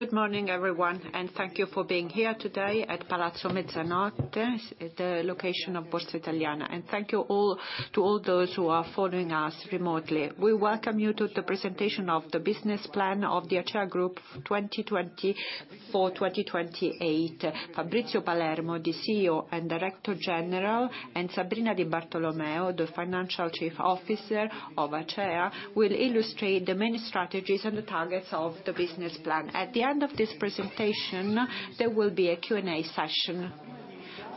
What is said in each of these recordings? Good morning, everyone, and thank you for being here today at Palazzo Mezzanotte, the location of Borsa Italiana. Thank you all, to all those who are following us remotely. We welcome you to the presentation of the business plan of the Acea Group 2024-2028. Fabrizio Palermo, the CEO and Director General, and Sabrina Di Bartolomeo, the Chief Financial Officer of Acea, will illustrate the many strategies and the targets of the business plan. At the end of this presentation, there will be a Q&A session.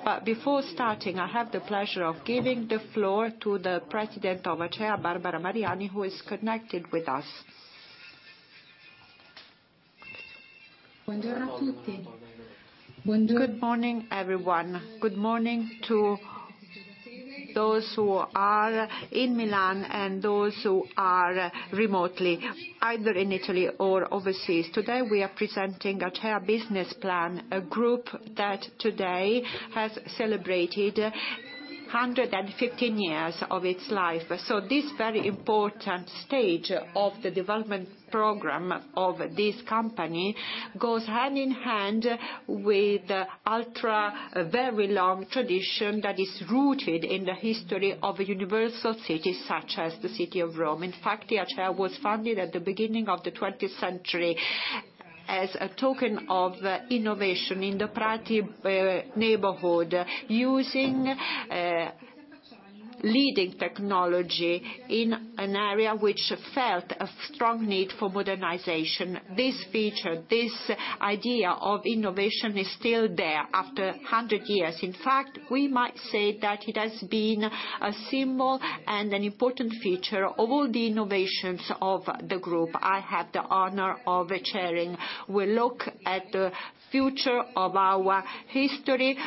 But before starting, I have the pleasure of giving the floor to the President of Acea, Barbara Marinali, who is connected with us. Good morning, everyone. Good morning to those who are in Milan and those who are remotely, either in Italy or overseas. Today, we are presenting Acea business plan, a group that today has celebrated 115 years of its life. So this very important stage of the development program of this company goes hand in hand with a very long tradition that is rooted in the history of eternal cities, such as the city of Rome. In fact, Acea was founded at the beginning of the 20th century as a token of innovation in the Prati neighborhood, using leading technology in an area which felt a strong need for modernization. This feature, this idea of innovation is still there after 100 years. In fact, we might say that it has been a symbol and an important feature of all the innovations of the group I have the honor of chairing. We look at the future of our history,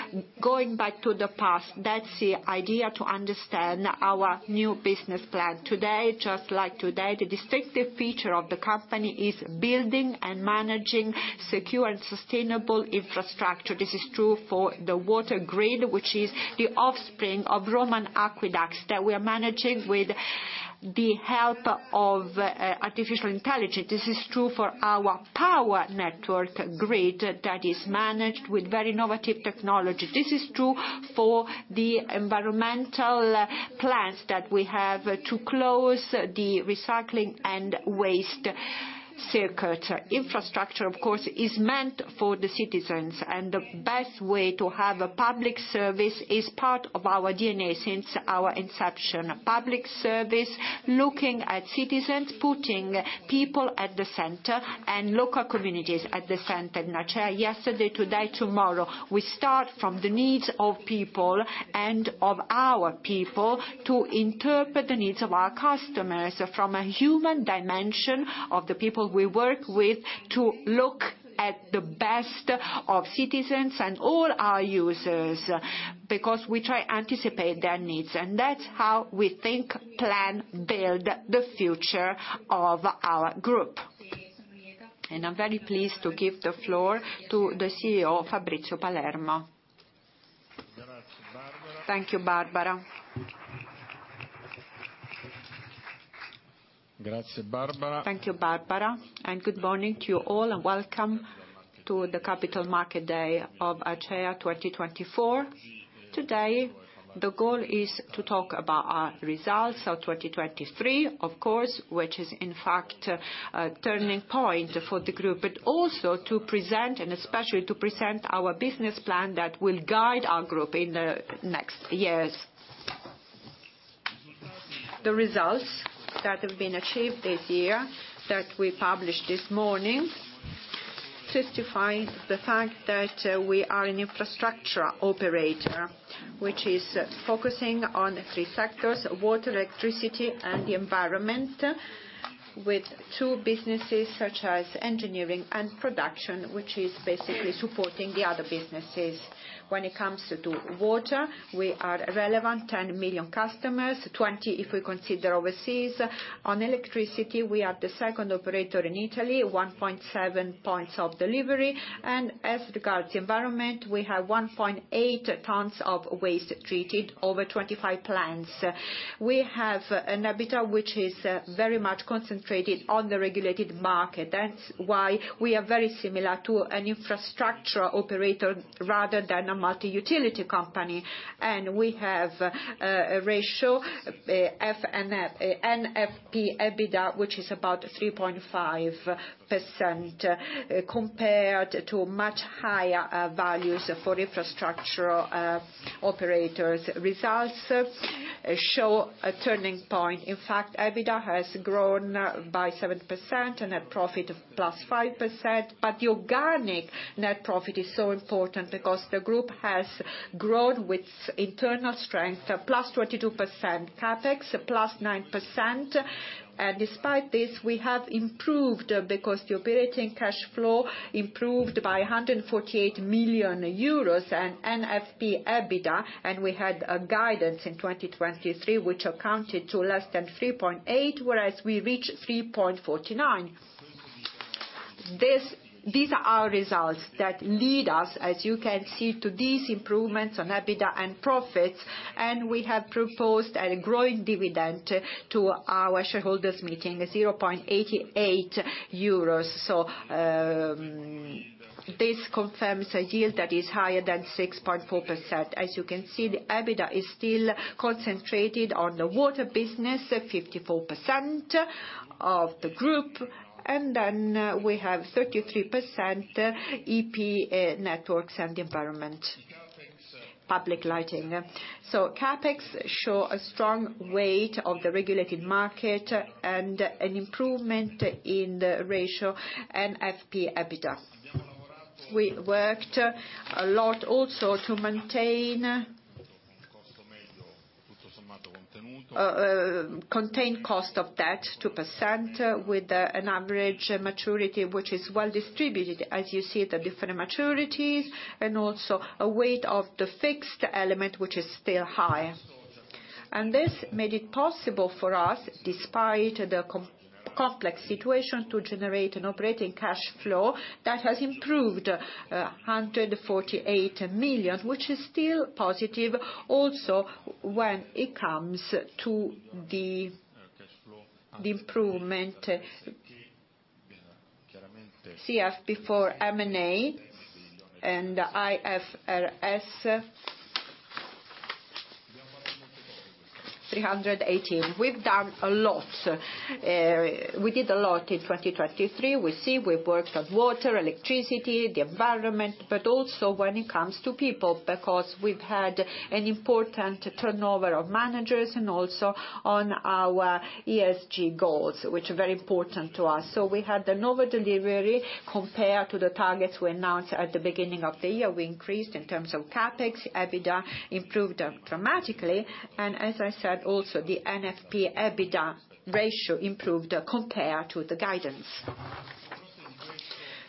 going back to the past. That's the idea to understand our new business plan. Today, just like today, the distinctive feature of the company is building and managing secure and sustainable infrastructure. This is true for the water grid, which is the offspring of Roman aqueducts that we are managing with the help of artificial intelligence. This is true for our power network grid that is managed with very innovative technology. This is true for the environmental plans that we have to close the recycling and waste circuit. Infrastructure, of course, is meant for the citizens, and the best way to have a public service is part of our DNA since our inception. Public service, looking at citizens, putting people at the center and local communities at the center in Acea. Yesterday, today, tomorrow, we start from the needs of people and of our people to interpret the needs of our customers from a human dimension of the people we work with, to look at the best of citizens and all our users, because we try anticipate their needs, and that's how we think, plan, build the future of our group. I'm very pleased to give the floor to the CEO, Fabrizio Palermo. Thank you, Barbara. Thank you, Barbara, and good morning to you all, and welcome to the Capital Market Day of Acea 2024. Today, the goal is to talk about our results of 2023, of course, which is, in fact, a turning point for the group, but also to present, and especially to present our business plan that will guide our group in the next years. The results that have been achieved this year, that we published this morning, testify the fact that we are an infrastructure operator, which is focusing on three sectors: water, electricity, and the environment, with two businesses, such as engineering and production, which is basically supporting the other businesses. When it comes to water, we are relevant, 10 million customers, 20 if we consider overseas. On electricity, we are the second operator in Italy, 1.7 points of delivery. And as regards the environment, we have 1.8 tons of waste treated over 25 plants. We have an EBITDA, which is very much concentrated on the regulated market. That's why we are very similar to an infrastructure operator rather than a multi-utility company. And we have an NFP/EBITDA ratio, which is about 3.5%, compared to much higher values for infrastructure operators. Results show a turning point. In fact, EBITDA has grown by 7% and a profit of +5%, but the organic net profit is so important because the group has grown with internal strength, +22%, CapEx +9%. And despite this, we have improved, because the operating cash flow improved by 148 million euros and NFP/EBITDA, and we had a guidance in 2023, which accounted to less than 3.8, whereas we reached 3.49. These are our results that lead us, as you can see, to these improvements on EBITDA and profits, and we have proposed a growing dividend to our shareholders' meeting, 0.88 euros. This confirms a yield that is higher than 6.4%. As you can see, the EBITDA is still concentrated on the water business, at 54% of the group, and then we have 33%, EP, networks and environment, public lighting. So CapEx show a strong weight of the regulated market and an improvement in the ratio and NFP EBITDA. We worked a lot also to maintain, contain cost of debt 2%, with an average maturity, which is well distributed, as you see the different maturities, and also a weight of the fixed element, which is still high. And this made it possible for us, despite the complex situation, to generate an operating cash flow that has improved 148 million, which is still positive also when it comes to the improvement. CF before M&A and IFRS, 318. We've done a lot. We did a lot in 2023. We see, we've worked on water, electricity, the environment, but also when it comes to people, because we've had an important turnover of managers, and also on our ESG goals, which are very important to us. So we had the novel delivery compared to the targets we announced at the beginning of the year. We increased in terms of CapEx, EBITDA improved dramatically, and as I said, also, the NFP EBITDA ratio improved, compared to the guidance.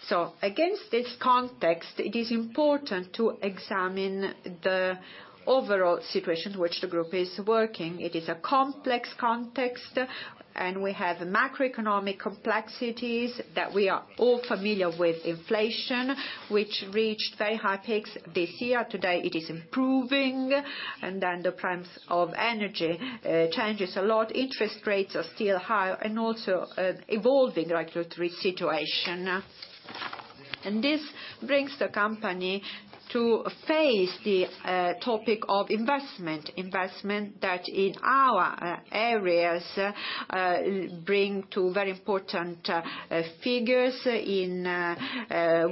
So against this context, it is important to examine the overall situation which the group is working. It is a complex context, and we have macroeconomic complexities that we are all familiar with. Inflation, which reached very high peaks this year. Today, it is improving, and then the price of energy changes a lot. Interest rates are still high and also an evolving regulatory situation. This brings the company to face the topic of investment. Investment that in our areas bring to very important figures. In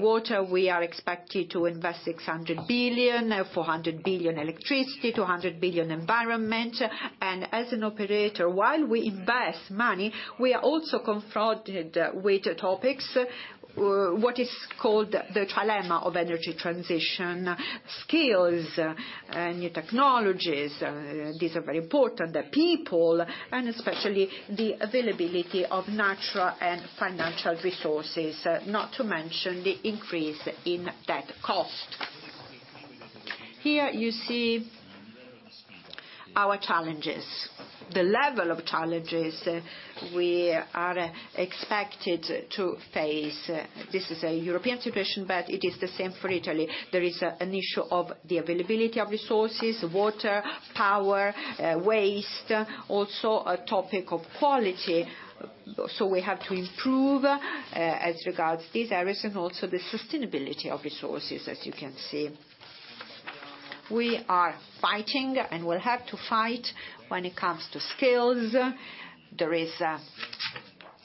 water, we are expected to invest 600 million, 400 million electricity, 200 million environment. As an operator, while we invest money, we are also confronted with topics, what is called the trilemma of energy transition, skills, new technologies, these are very important, the people and especially the availability of natural and financial resources, not to mention the increase in debt cost. Here, you see our challenges, the level of challenges we are expected to face. This is a European situation, but it is the same for Italy. There is an issue of the availability of resources, water, power, waste, also a topic of quality, so we have to improve as regards these areas and also the sustainability of resources, as you can see. We are fighting and will have to fight when it comes to skills. There is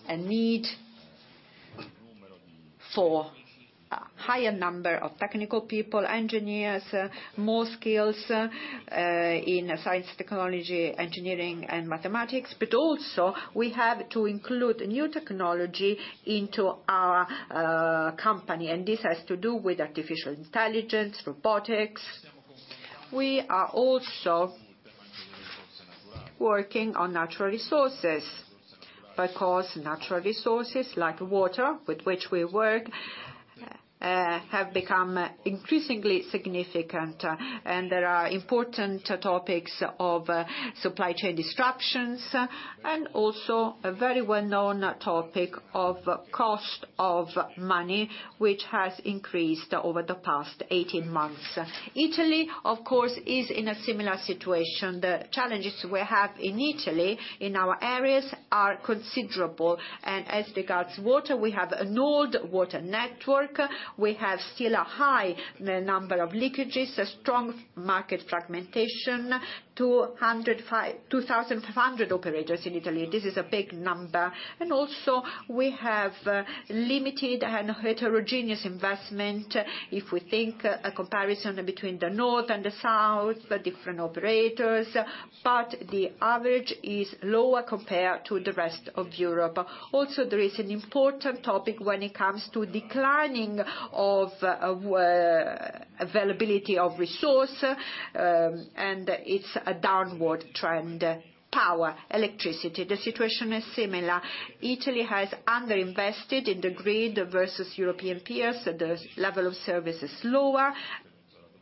a need for a higher number of technical people, engineers, more skills in science, technology, engineering and mathematics, but also we have to include new technology into our company, and this has to do with artificial intelligence, robotics. We are also working on natural resources, because natural resources like water, with which we work, have become increasingly significant, and there are important topics of supply chain disruptions, and also a very well-known topic of cost of money, which has increased over the past 18 months. Italy, of course, is in a similar situation. The challenges we have in Italy, in our areas, are considerable, and as regards water, we have an old water network. We have still a high number of leakages, a strong market fragmentation, 205 -- 2,500 operators in Italy. This is a big number, and also we have limited and heterogeneous investment. If we think a comparison between the north and the south, the different operators, but the average is lower compared to the rest of Europe. Also, there is an important topic when it comes to declining of availability of resource, and it's a downward trend. Power, electricity, the situation is similar. Italy has underinvested in the grid versus European peers, so the level of service is lower,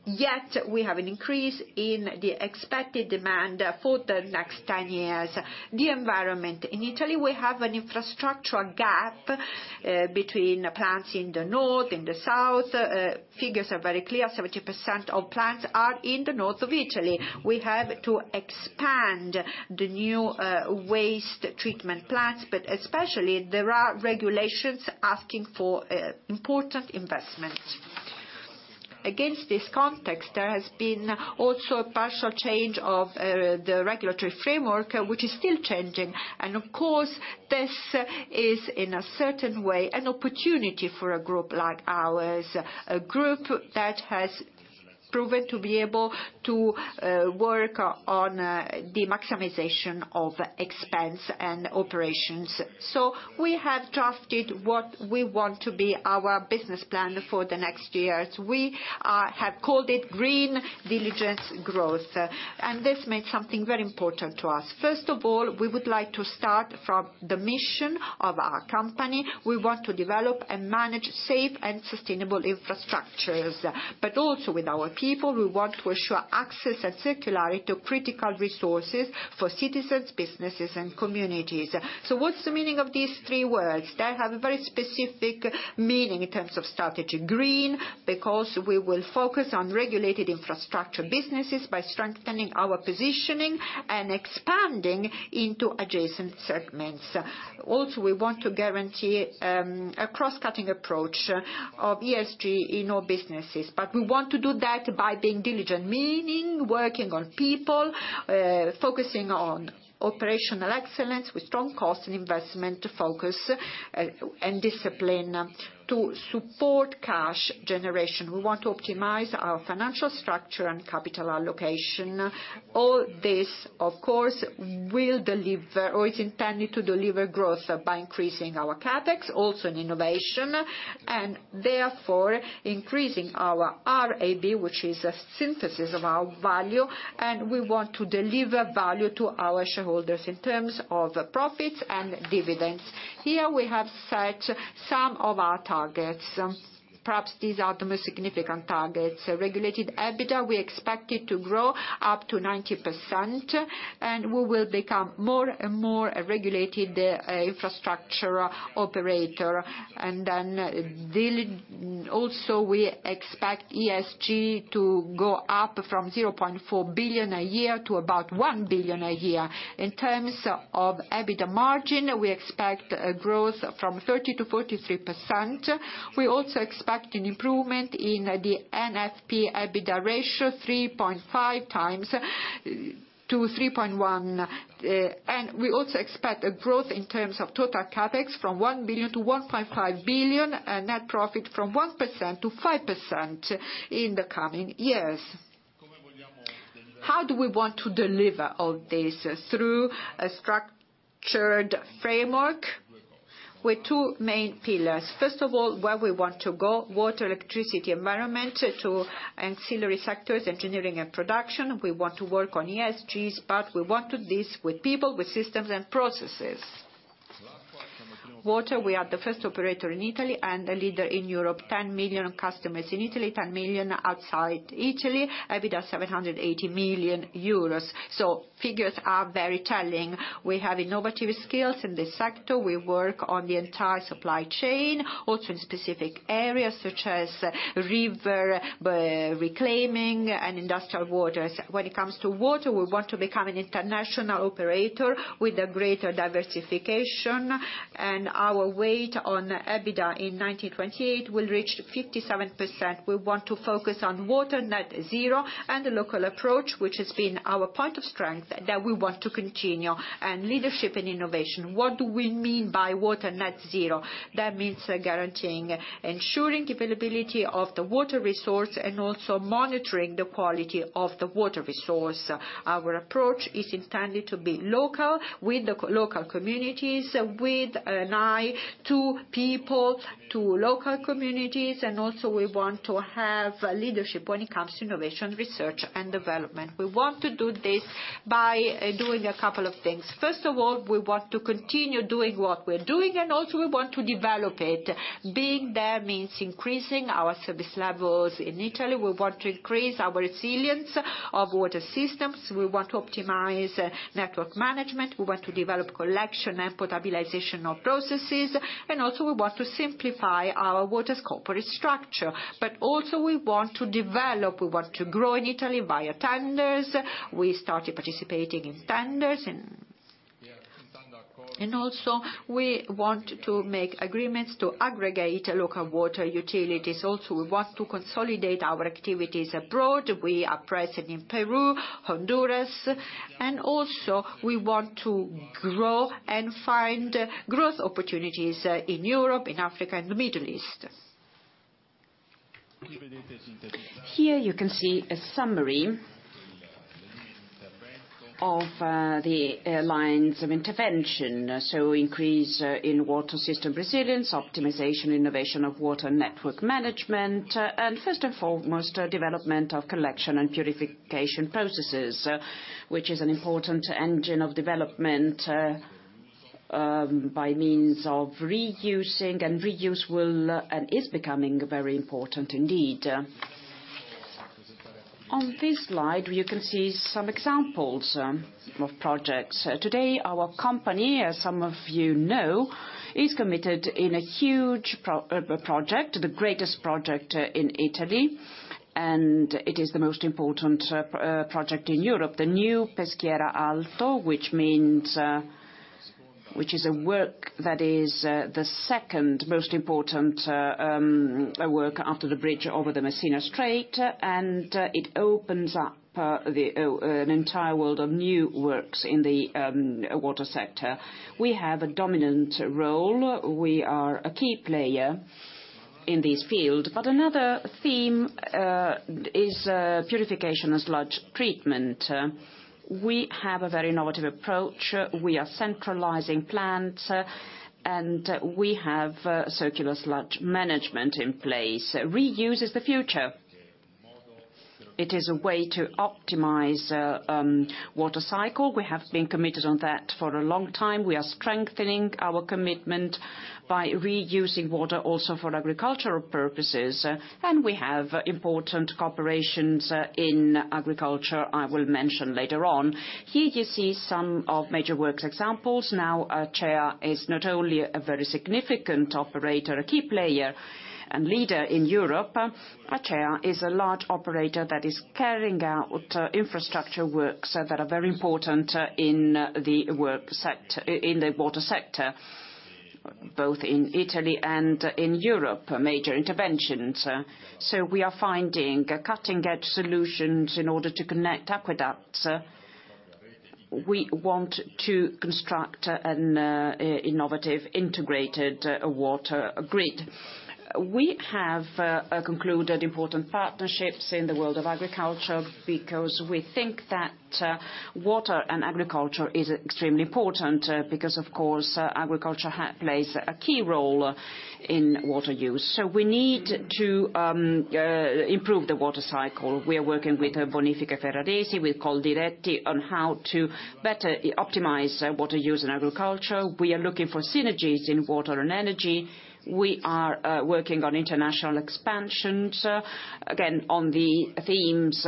yet we have an increase in the expected demand for the next 10 years. The environment: in Italy, we have an infrastructural gap between plants in the north, in the south. Figures are very clear, 70% of plants are in the north of Italy. We have to expand the new waste treatment plants, but especially there are regulations asking for important investment. Against this context, there has been also a partial change of the regulatory framework, which is still changing. Of course, this is, in a certain way, an opportunity for a group like ours, a group that has proven to be able to work on the maximization of expense and operations. We have drafted what we want to be our business plan for the next years. We have called it Green Diligent Growth, and this means something very important to us. First of all, we would like to start from the mission of our company. We want to develop and manage safe and sustainable infrastructures, but also with our people, we want to ensure access and circularity to critical resources for citizens, businesses, and communities. What's the meaning of these three words? They have a very specific meaning in terms of strategy. Green, because we will focus on regulated infrastructure businesses by strengthening our positioning and expanding into adjacent segments. Also, we want to guarantee a cross-cutting approach of ESG in all businesses, but we want to do that by being diligent, meaning working on people, focusing on operational excellence with strong cost and investment focus, and discipline to support cash generation. We want to optimize our financial structure and capital allocation. All this, of course, will deliver or is intended to deliver growth by increasing our CapEx, also in innovation, and therefore increasing our RAB, which is a synthesis of our value, and we want to deliver value to our shareholders in terms of profits and dividends. Here we have set some of our targets. Perhaps these are the most significant targets. Regulated EBITDA, we expect it to grow up to 90%, and we will become more and more a regulated infrastructure operator. Also, we expect ESG to go up from 0.4 billion a year to about 1 billion a year. In terms of EBITDA margin, we expect a growth from 30%-43%. We also expect an improvement in the NFP/EBITDA ratio, 3.5 times to 3.1. And we also expect a growth in terms of total CapEx from 1 billion-1.5 billion, and net profit from 1%-5% in the coming years. How do we want to deliver all this? Through a structured framework with two main pillars. First of all, where we want to go, water, electricity, environment, to ancillary sectors, engineering and production. We want to work on ESGs, but we want to do this with people, with systems and processes. Water, we are the first operator in Italy and a leader in Europe. 10 million customers in Italy, 10 million outside Italy, EBITDA 780 million euros. So figures are very telling. We have innovative skills in this sector. We work on the entire supply chain, also in specific areas such as river reclaiming and industrial waters. When it comes to water, we want to become an international operator with a greater diversification, and our weight on EBITDA in 2028 will reach 57%. We want to focus on water net zero and the local approach, which has been our point of strength, that we want to continue, and leadership and innovation. What do we mean by water net zero? That means guaranteeing ensuring availability of the water resource and also monitoring the quality of the water resource. Our approach is intended to be local, with the local communities, with an eye to people, to local communities, and also we want to have leadership when it comes to innovation, research, and development. We want to do this by doing a couple of things. First of all, we want to continue doing what we're doing, and also we want to develop it. Being there means increasing our service levels in Italy. We want to increase our resilience of water systems. We want to optimize network management. We want to develop collection and potabilization of processes, and also we want to simplify our water's corporate structure. But also we want to develop, we want to grow in Italy via tenders. We started participating in tenders and also, we want to make agreements to aggregate local water utilities. Also, we want to consolidate our activities abroad. We are present in Peru, Honduras, and also we want to grow and find growth opportunities in Europe, in Africa, and the Middle East. Here you can see a summary of the lines of intervention, so increase in water system resilience, optimization, innovation of water network management, and first and foremost, development of collection and purification processes, which is an important engine of development by means of reusing, and reuse will and is becoming very important indeed. On this slide, you can see some examples of projects. Today, our company, as some of you know, is committed in a huge project, the greatest project in Italy, and it is the most important project in Europe, the new Peschiera Alto, which means... ... which is a work that is, the second most important, work after the bridge over the Messina Strait, and, it opens up, the, an entire world of new works in the, water sector. We have a dominant role. We are a key player in this field. But another theme, is, purification and sludge treatment. We have a very innovative approach. We are centralizing plants, and we have, circular sludge management in place. Reuse is the future. It is a way to optimize, water cycle. We have been committed on that for a long time. We are strengthening our commitment by reusing water also for agricultural purposes, and we have important corporations, in agriculture I will mention later on. Here, you see some of major works examples. Now, Acea is not only a very significant operator, a key player and leader in Europe, Acea is a large operator that is carrying out infrastructure works that are very important in the water sector, both in Italy and in Europe, major interventions. So we are finding cutting-edge solutions in order to connect aqueducts. We want to construct an innovative, integrated water grid. We have concluded important partnerships in the world of agriculture, because we think that water and agriculture is extremely important, because, of course, agriculture plays a key role in water use. So we need to improve the water cycle. We are working with Bonifiche Ferraresi, with Coldiretti, on how to better optimize water use in agriculture. We are looking for synergies in water and energy. We are working on international expansion, again, on the themes,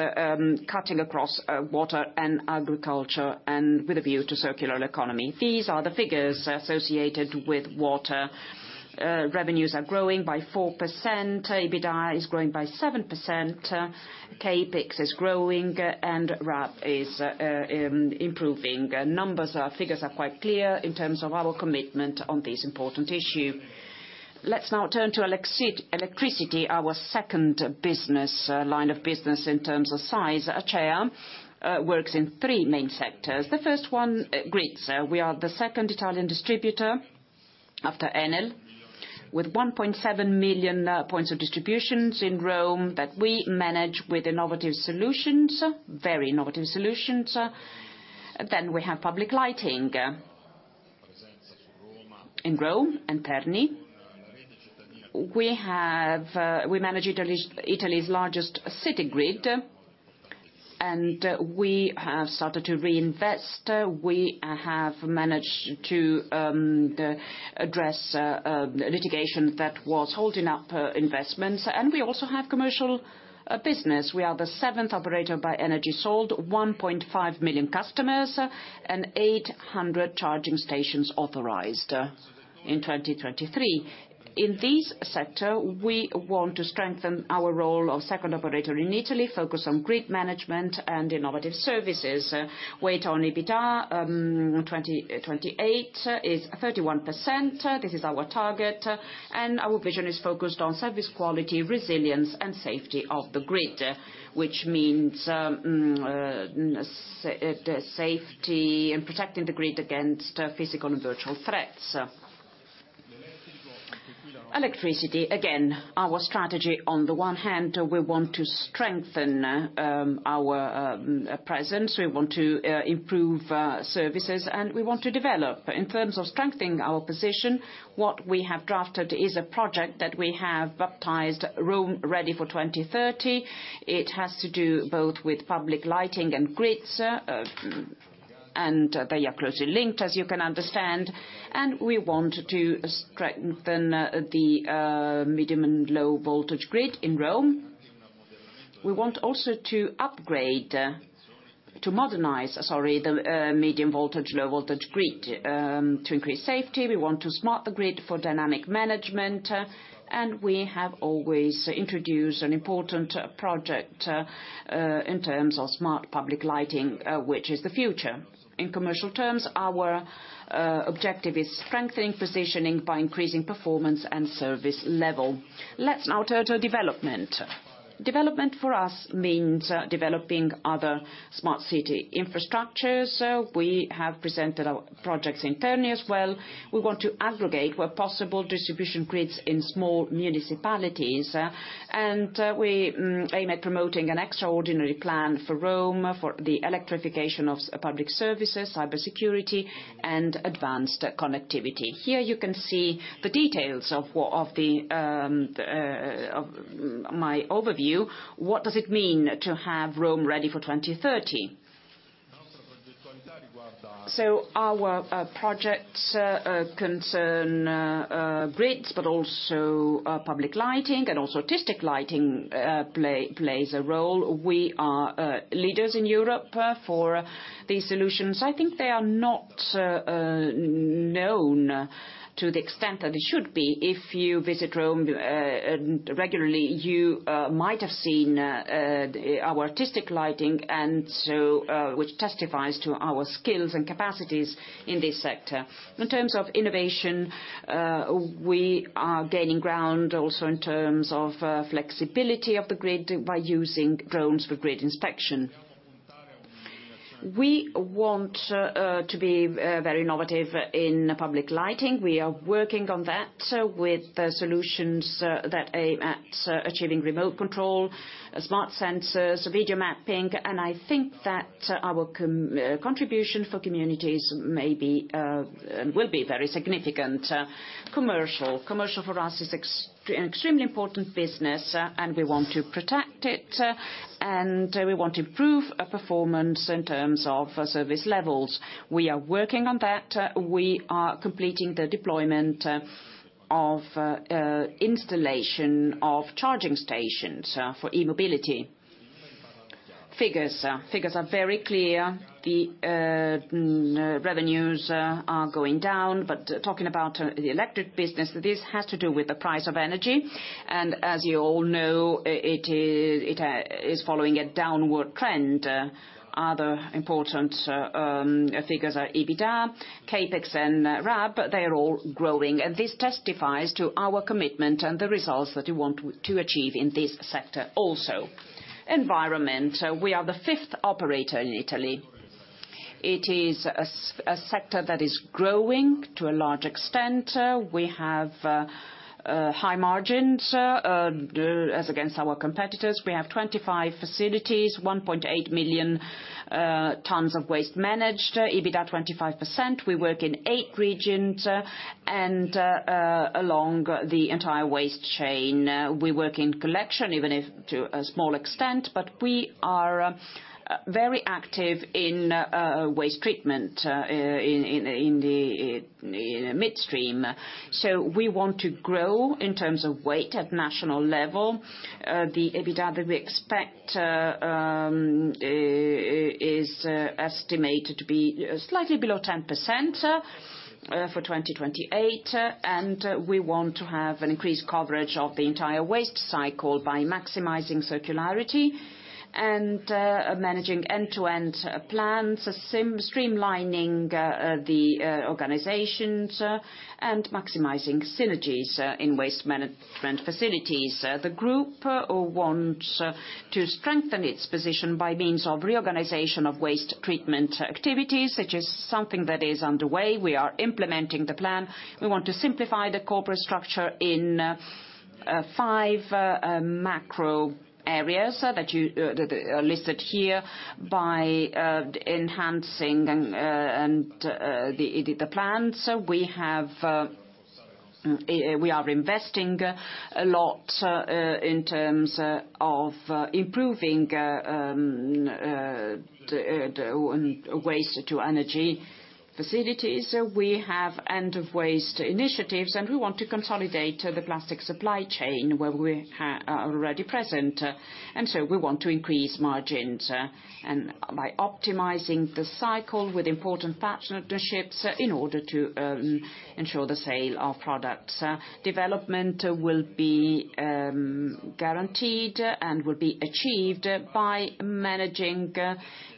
cutting across, water and agriculture and with a view to circular economy. These are the figures associated with water. Revenues are growing by 4%, EBITDA is growing by 7%, CapEx is growing, and RAB is improving. Numbers are, figures are quite clear in terms of our commitment on this important issue. Let's now turn to electricity, our second business line of business in terms of size. Acea works in three main sectors. The first one, grids. We are the second Italian distributor, after Enel, with 1.7 million points of distributions in Rome that we manage with innovative solutions, very innovative solutions. Then we have public lighting in Rome and Terni. We have... We manage Italy's, Italy's largest city grid, and we have started to reinvest. We have managed to address litigation that was holding up investments, and we also have commercial business. We are the seventh operator by energy sold, 1.5 million customers, and 800 charging stations authorized in 2023. In this sector, we want to strengthen our role of second operator in Italy, focus on grid management and innovative services. Weight on EBITDA, 2028, is 31%, this is our target. Our vision is focused on service quality, resilience, and safety of the grid, which means safety and protecting the grid against physical and virtual threats. Electricity, again, our strategy, on the one hand, we want to strengthen our presence, we want to improve services, and we want to develop. In terms of strengthening our position, what we have drafted is a project that we have baptized Rome Ready for 2030. It has to do both with public lighting and grids, and they are closely linked, as you can understand, and we want to strengthen the medium and low voltage grid in Rome. We want also to upgrade, to modernize, sorry, the medium voltage, low voltage grid, to increase safety. We want to smart the grid for dynamic management, and we have always introduced an important project in terms of smart public lighting, which is the future. In commercial terms, our objective is strengthening positioning by increasing performance and service level. Let's now turn to development. Development for us means developing other smart city infrastructures. So we have presented our projects in Terni as well. We want to aggregate, where possible, distribution grids in small municipalities, and we aim at promoting an extraordinary plan for Rome, for the electrification of public services, cybersecurity, and advanced connectivity. Here, you can see the details of my overview. What does it mean to have Rome Ready for 2030? So our projects concern grids, but also public lighting and also artistic lighting plays a role. We are leaders in Europe for these solutions. I think they are not known to the extent that it should be. If you visit Rome regularly, you might have seen our artistic lighting, and so, which testifies to our skills and capacities in this sector. In terms of innovation, we are gaining ground also in terms of flexibility of the grid by using drones for grid inspection. We want to be very innovative in public lighting. We are working on that, with the solutions that aim at achieving remote control, smart sensors, video mapping, and I think that our contribution for communities may be, will be very significant. Commercial. Commercial for us is an extremely important business, and we want to protect it, and we want to improve our performance in terms of service levels. We are working on that. We are completing the deployment of installation of charging stations for e-mobility. Figures are very clear. The revenues are going down, but talking about the electric business, this has to do with the price of energy, and as you all know, it is following a downward trend. Other important figures are EBITDA, CapEx, and RAB, they are all growing, and this testifies to our commitment and the results that we want to achieve in this sector also. Environment, we are the fifth operator in Italy. It is a sector that is growing to a large extent. We have high margins as against our competitors. We have 25 facilities, 1.8 million tons of waste managed, EBITDA 25%. We work in eight regions, and along the entire waste chain. We work in collection, even if to a small extent, but we are very active in waste treatment, in midstream. So we want to grow in terms of weight at national level. The EBITDA that we expect is estimated to be slightly below 10% for 2028, and we want to have an increased coverage of the entire waste cycle by maximizing circularity and managing end-to-end plans, as streamlining the organizations and maximizing synergies in waste management facilities. The group wants to strengthen its position by means of reorganization of waste treatment activities, which is something that is underway. We are implementing the plan. We want to simplify the corporate structure in five macro areas that are listed here, by enhancing the plan. So we are investing a lot in terms of improving the waste-to-energy facilities. We have end-of-waste initiatives, and we want to consolidate the plastic supply chain, where we are already present. And so we want to increase margins by optimizing the cycle with important partnerships, in order to ensure the sale of products. Development will be guaranteed and will be achieved by managing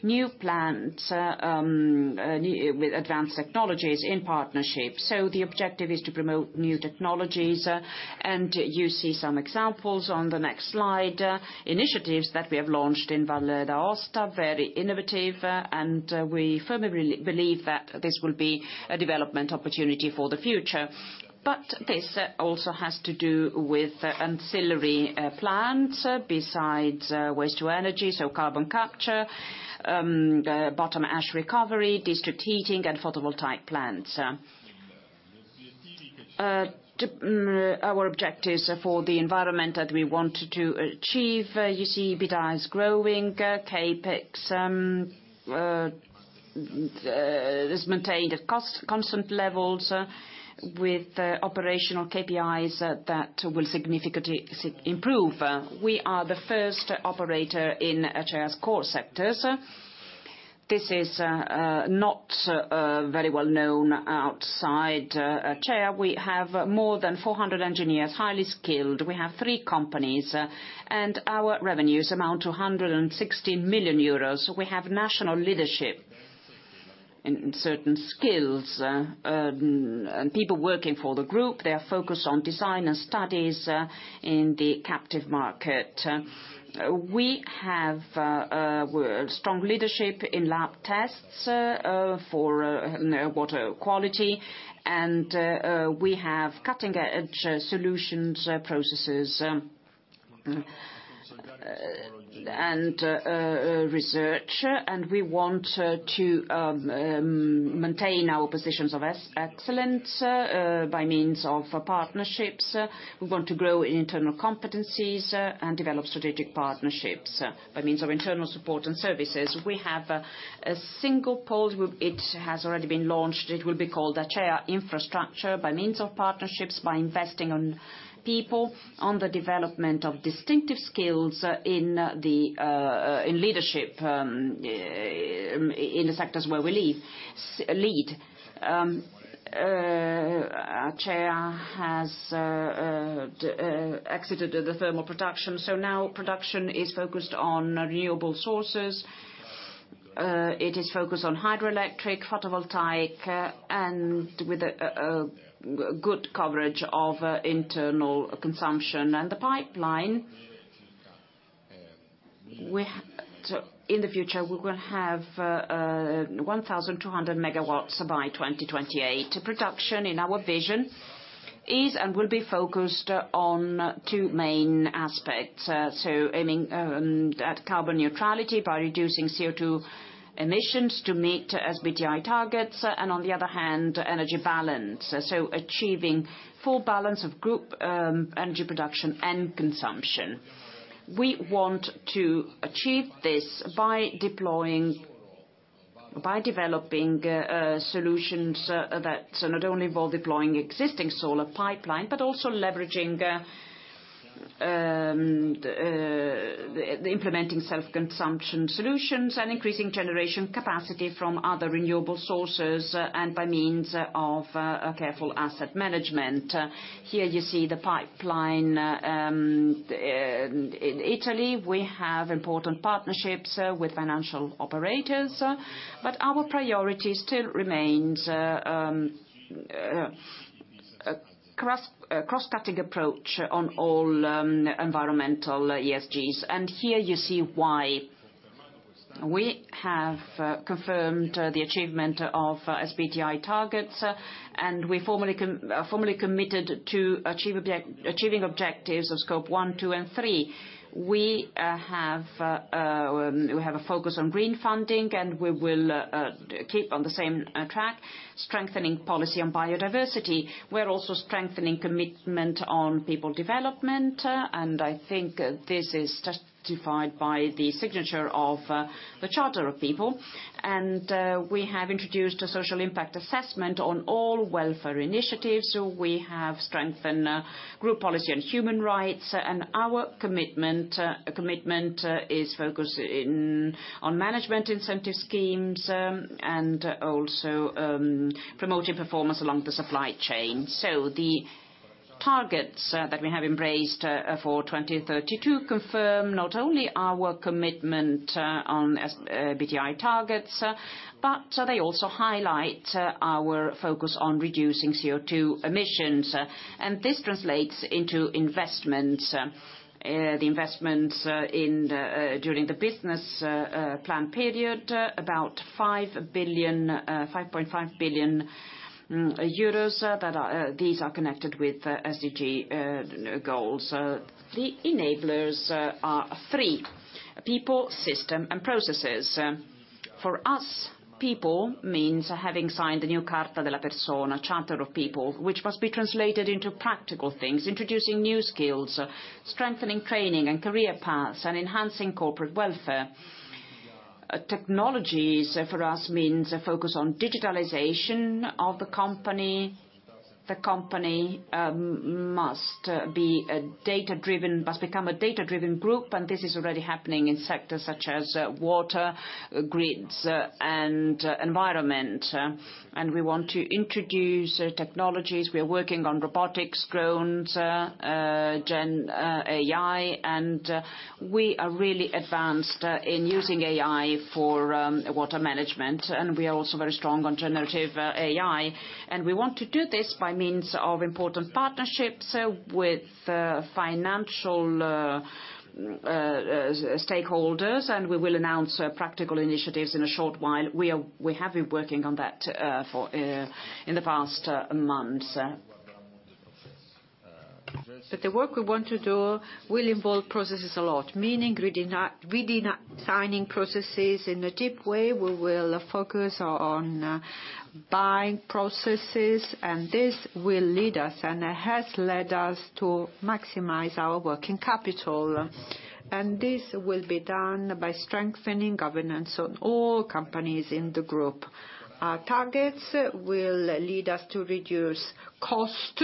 new plants with advanced technologies in partnership. So the objective is to promote new technologies, and you see some examples on the next slide. Initiatives that we have launched in Valle d'Aosta, very innovative, and we firmly believe that this will be a development opportunity for the future. But this also has to do with ancillary plants besides waste to energy, so carbon capture, bottom ash recovery, district heating, and photovoltaic plants. To our objectives for the environment that we want to achieve, you see EBITDA is growing, CapEx is maintained at constant levels, with operational KPIs that will significantly improve. We are the first operator in ACEA's core sectors. This is not very well known outside ACEA. We have more than 400 engineers, highly skilled. We have three companies, and our revenues amount to 160 million euros. We have national leadership in certain skills, and people working for the group, they are focused on design and studies in the captive market. We have strong leadership in lab tests for water quality, and we have cutting-edge solutions, processes, and research. We want to maintain our positions of excellence by means of partnerships. We want to grow in internal competencies and develop strategic partnerships by means of internal support and services. We have a single pole, it has already been launched. It will be called Acea Infrastructure, by means of partnerships, by investing on people, on the development of distinctive skills in leadership in the sectors where we lead. ACEA has exited the thermal production, so now production is focused on renewable sources. It is focused on hydroelectric, photovoltaic, and with a good coverage of internal consumption. And the pipeline, so in the future, we will have 1,200 megawatts by 2028. Production, in our vision, is and will be focused on two main aspects. So aiming at carbon neutrality by reducing CO2 emissions to meet SBTi targets, and on the other hand, energy balance. So achieving full balance of group energy production and consumption. We want to achieve this by developing solutions that not only involve deploying existing solar pipeline, but also leveraging the implementing self-consumption solutions and increasing generation capacity from other renewable sources, and by means of a careful asset management. Here you see the pipeline. In Italy, we have important partnerships with financial operators, but our priority still remains cross-cutting approach on all environmental ESGs. And here you see why. We have confirmed the achievement of SBTi targets, and we formally committed to achieving objectives of scope one, two, and three. We have a focus on green funding, and we will keep on the same track, strengthening policy on biodiversity. We're also strengthening commitment on people development, and I think this is justified by the signature of the Charter of People. We have introduced a social impact assessment on all welfare initiatives. We have strengthened group policy and human rights, and our commitment is focused on management incentive schemes, and also promoting performance along the supply chain. So the targets that we have embraced for 2032 confirm not only our commitment on SBTi targets, but they also highlight our focus on reducing CO2 emissions, and this translates into investments. The investments during the business plan period about 5 billion, 5.5 billion euros that are... These are connected with SDG goals. The enablers are three: people, system, and processes. For us, people means having signed the new Carta della Persona, Charter of People, which must be translated into practical things, introducing new skills, strengthening training and career paths, and enhancing corporate welfare. Technologies, for us means a focus on digitalization of the company. The company must become a data-driven group, and this is already happening in sectors such as water, grids, and environment. And we want to introduce technologies. We are working on robotics, drones, GenAI, and we are really advanced in using AI for water management, and we are also very strong on generative AI. We want to do this by means of important partnerships with financial stakeholders, and we will announce practical initiatives in a short while. We have been working on that for in the past months. The work we want to do will involve processes a lot, meaning redesigning processes in a deep way. We will focus on buying processes, and this will lead us, and it has led us to maximize our working capital, and this will be done by strengthening governance on all companies in the group. Our targets will lead us to reduce cost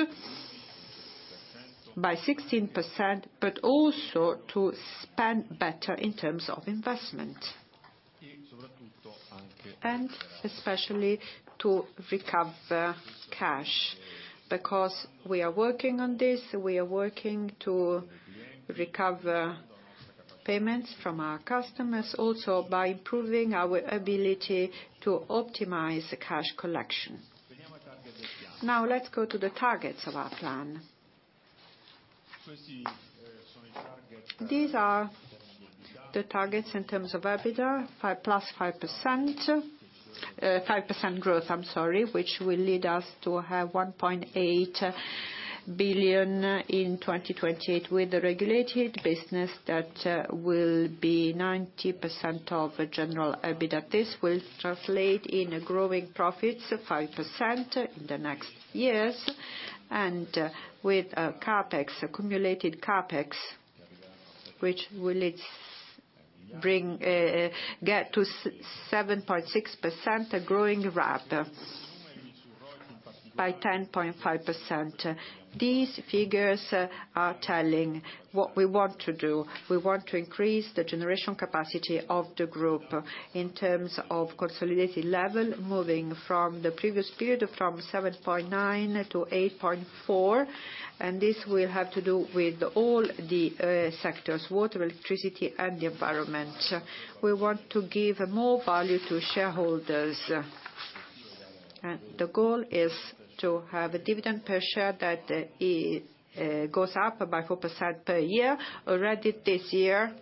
by 16%, but also to spend better in terms of investment. And especially to recover cash, because we are working on this, we are working to recover payments from our customers, also by improving our ability to optimize the cash collection. Now, let's go to the targets of our plan. These are the targets in terms of EBITDA, 5% + 5%... 5% growth, I'm sorry, which will lead us to have 1.8 billion in 2028, with the regulated business that will be 90% of general EBITDA. This will translate in a growing profits of 5% in the next years, and, with CapEx, accumulated CapEx, which will its bring get to 7.6%, a growing ramp by 10.5%. These figures are telling what we want to do. We want to increase the generation capacity of the group in terms of consolidated level, moving from the previous period from 7.9 to 8.4, and this will have to do with all the sectors: water, electricity, and the environment. We want to give more value to shareholders.... And the goal is to have a dividend per share that goes up by 4% per year. Already this year,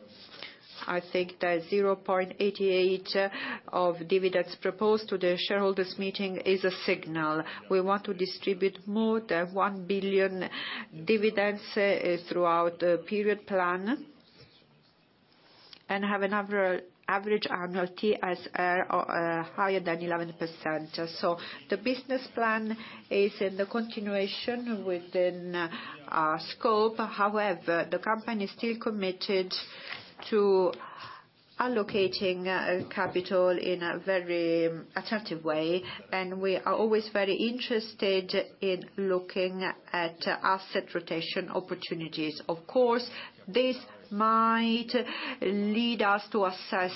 I think the 0.88 dividend proposed to the shareholders' meeting is a signal. We want to distribute more than 1 billion in dividends throughout the period plan, and have another average annuity as higher than 11%. So the business plan is in the continuation within our scope. However, the company is still committed to allocating capital in a very attractive way, and we are always very interested in looking at asset rotation opportunities. Of course, this might lead us to assess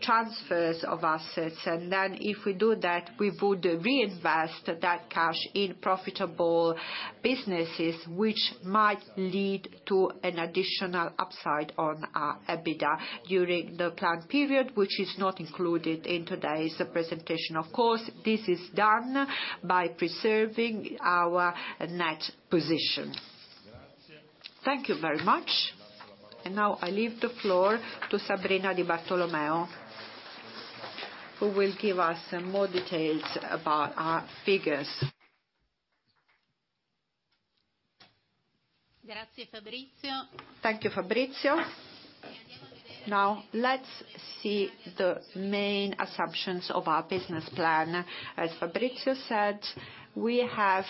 transfers of assets, and then if we do that, we would reinvest that cash in profitable businesses, which might lead to an additional upside on our EBITDA during the plan period, which is not included in today's presentation. Of course, this is done by preserving our net position. Thank you very much. And now I leave the floor to Sabrina Di Bartolomei, who will give us some more details about our figures. Thank you, Fabrizio. Now, let's see the main assumptions of our business plan. As Fabrizio said, we have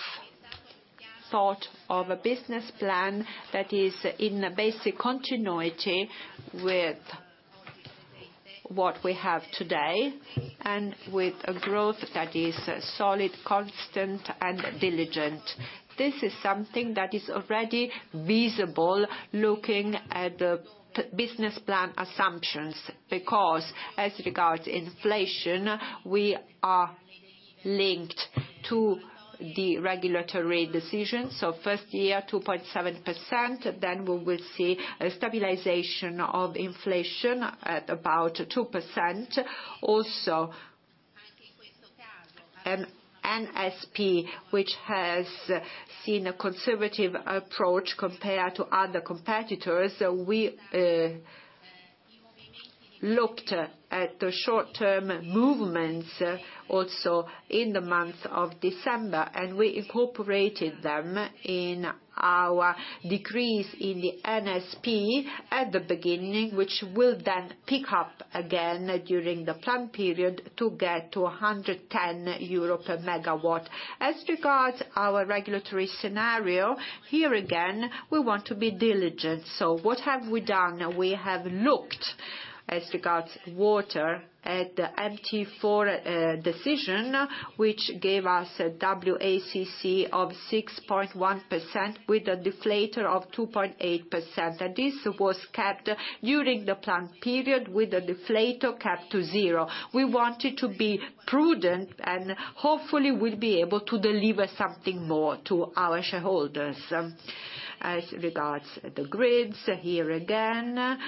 thought of a business plan that is in basic continuity with what we have today, and with a growth that is solid, constant, and diligent. This is something that is already visible, looking at the business plan assumptions, because as regards inflation, we are linked to the regulatory decision. First year, 2.7%, then we will see a stabilization of inflation at about 2%. Also, NSP, which has seen a conservative approach compared to other competitors, so we looked at the short-term movements also in the month of December, and we incorporated them in our decrease in the NSP at the beginning, which will then pick up again during the plan period to get to 110 euro per megawatt. As regards our regulatory scenario, here again, we want to be diligent. So what have we done? We have looked, as regards water, at the MT4 decision, which gave us a WACC of 6.1% with a deflator of 2.8%, and this was kept during the plan period with a deflator capped to 0. We wanted to be prudent, and hopefully, we'll be able to deliver something more to our shareholders. As regards the grids, here again,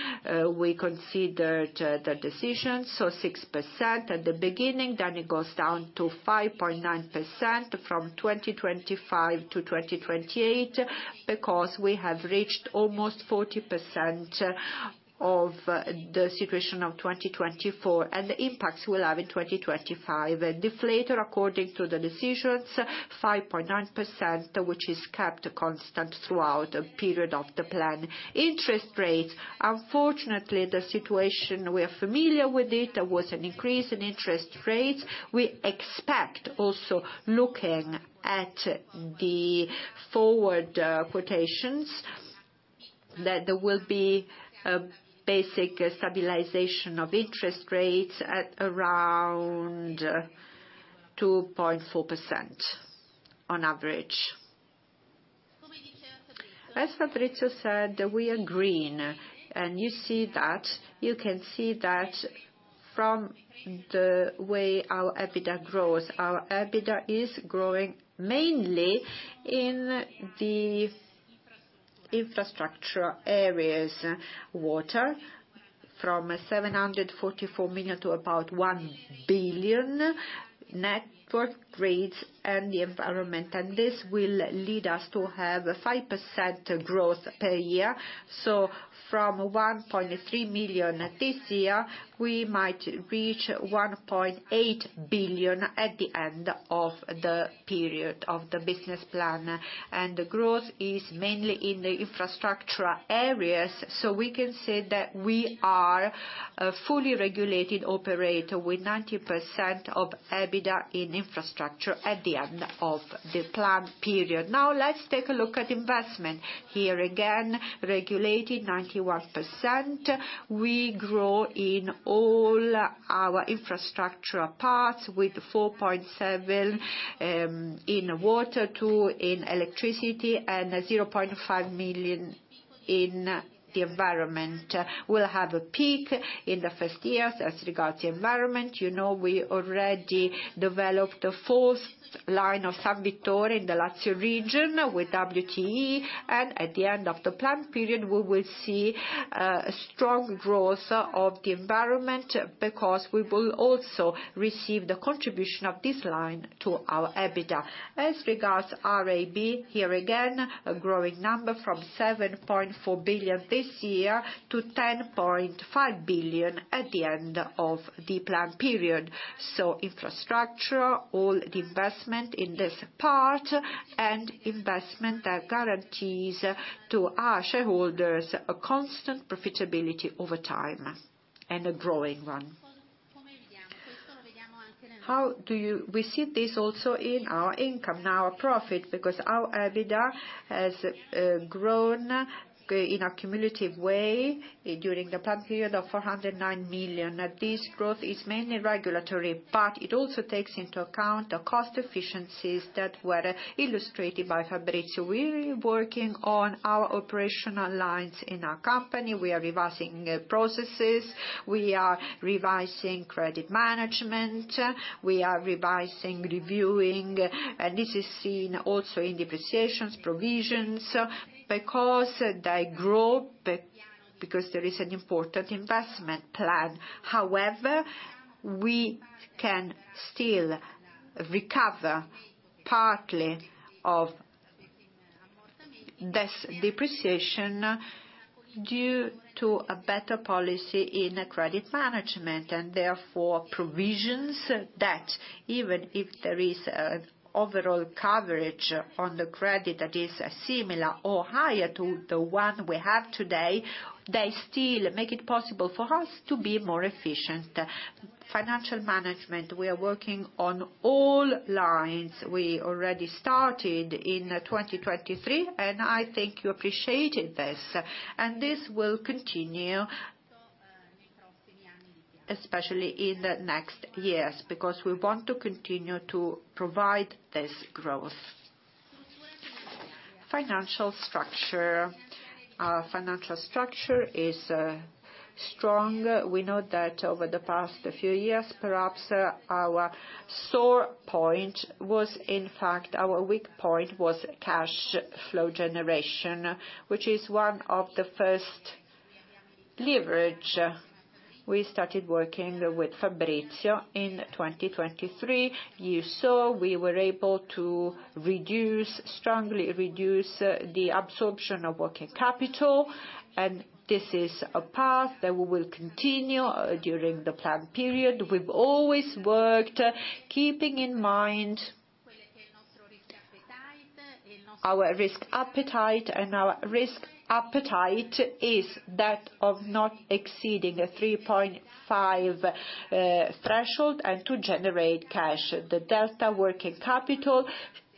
we considered the decision, so 6% at the beginning, then it goes down to 5.9% from 2025 to 2028, because we have reached almost 40% of the situation of 2024, and the impacts we'll have in 2025. A deflator, according to the decisions, 5.9%, which is kept constant throughout the period of the plan. Interest rates, unfortunately, the situation we are familiar with it, there was an increase in interest rates. We expect also, looking at the forward quotations, that there will be a basic stabilization of interest rates at around 2.4% on average. As Fabrizio said, we are green, and you see that. You can see that from the way our EBITDA grows. Our EBITDA is growing mainly in the infrastructure areas, water, from 744 million to about 1 billion, networks, gas, and the environment. This will lead us to have a 5% growth per year. From 1.3 billion this year, we might reach 1.8 billion at the end of the period of the business plan, and the growth is mainly in the infrastructure areas, so we can say that we are a fully regulated operator, with 90% of EBITDA in infrastructure at the end of the plan period. Now, let's take a look at investment. Here again, regulated, 91%. We grow in all our infrastructure paths, with 4.7 billion in water, EUR 2 billion in electricity, and 0.5 billion in the environment. We'll have a peak in the first years as regards the environment. You know, we already developed the fourth line of San Vittore in the Lazio region with WTE, and at the end of the plan period, we will see strong growth of the environment, because we will also receive the contribution of this line to our EBITDA. As regards RAB, here again, a growing number from 7.4 billion this year to 10.5 billion at the end of the plan period. So infrastructure, all the investment in this part, and investment that guarantees to our shareholders a constant profitability over time, and a growing one. We see this also in our income, now our profit, because our EBITDA has grown in a cumulative way during the plan period of 409 million. This growth is mainly regulatory, but it also takes into account the cost efficiencies that were illustrated by Fabrizio. We're working on our operational lines in our company. We are revising processes. We are revising credit management. We are revising, reviewing, and this is seen also in depreciations, provisions, because they grow, because there is an important investment plan. However, we can still recover partly of this depreciation due to a better policy in credit management, and therefore provisions, that even if there is an overall coverage on the credit that is similar or higher to the one we have today, they still make it possible for us to be more efficient. Financial management, we are working on all lines. We already started in 2023, and I think you appreciated this, and this will continue, especially in the next years, because we want to continue to provide this growth. Financial structure. Our financial structure is strong. We know that over the past few years, perhaps our sore point was, in fact, our weak point was cash flow generation, which is one of the first leverage. We started working with Fabrizio in 2023. You saw we were able to reduce, strongly reduce the absorption of working capital, and this is a path that we will continue during the plan period. We've always worked, keeping in mind our risk appetite, and our risk appetite is that of not exceeding a 3.5 threshold and to generate cash. The delta working capital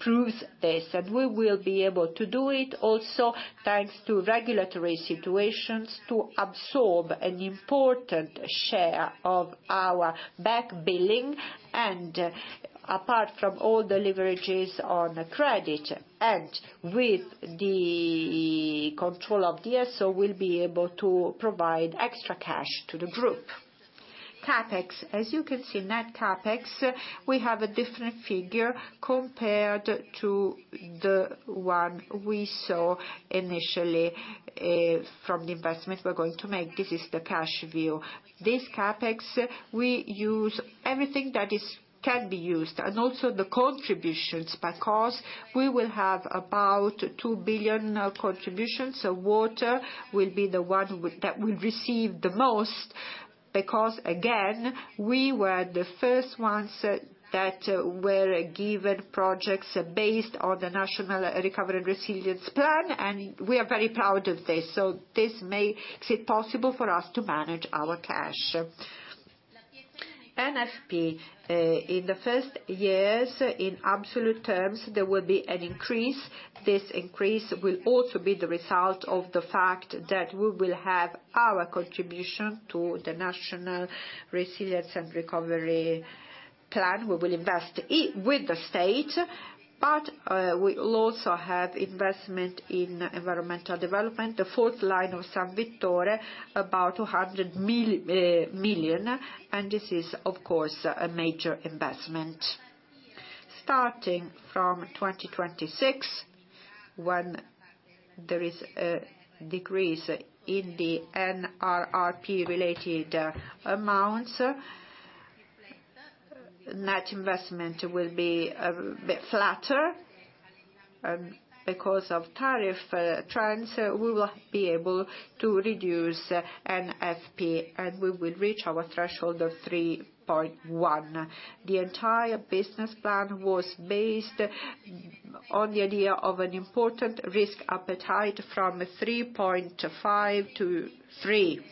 proves this, and we will be able to do it also, thanks to regulatory situations, to absorb an important share of our back billing. And apart from all the leverages on credit, and with the control of the SO, we'll be able to provide extra cash to the group. CapEx, as you can see, net CapEx, we have a different figure compared to the one we saw initially from the investment we're going to make. This is the cash view. This CapEx, we use everything that can be used, and also the contributions, because we will have about 2 billion contributions. So Water will be the one that will receive the most, because, again, we were the first ones that were given projects based on the National Recovery and Resilience Plan, and we are very proud of this. So this makes it possible for us to manage our cash. NFP in the first years, in absolute terms, there will be an increase. This increase will also be the result of the fact that we will have our contribution to the National Recovery and Resilience Plan. We will invest with the state, but we will also have investment in environmental development. The fourth line of San Vittore, about 200 million, and this is, of course, a major investment. Starting from 2026, when there is a decrease in the NRRP-related amounts, net investment will be bit flatter because of tariff trends. We will be able to reduce NFP, and we will reach our threshold of 3.1. The entire business plan was based on the idea of an important risk appetite from 3.5 to 3.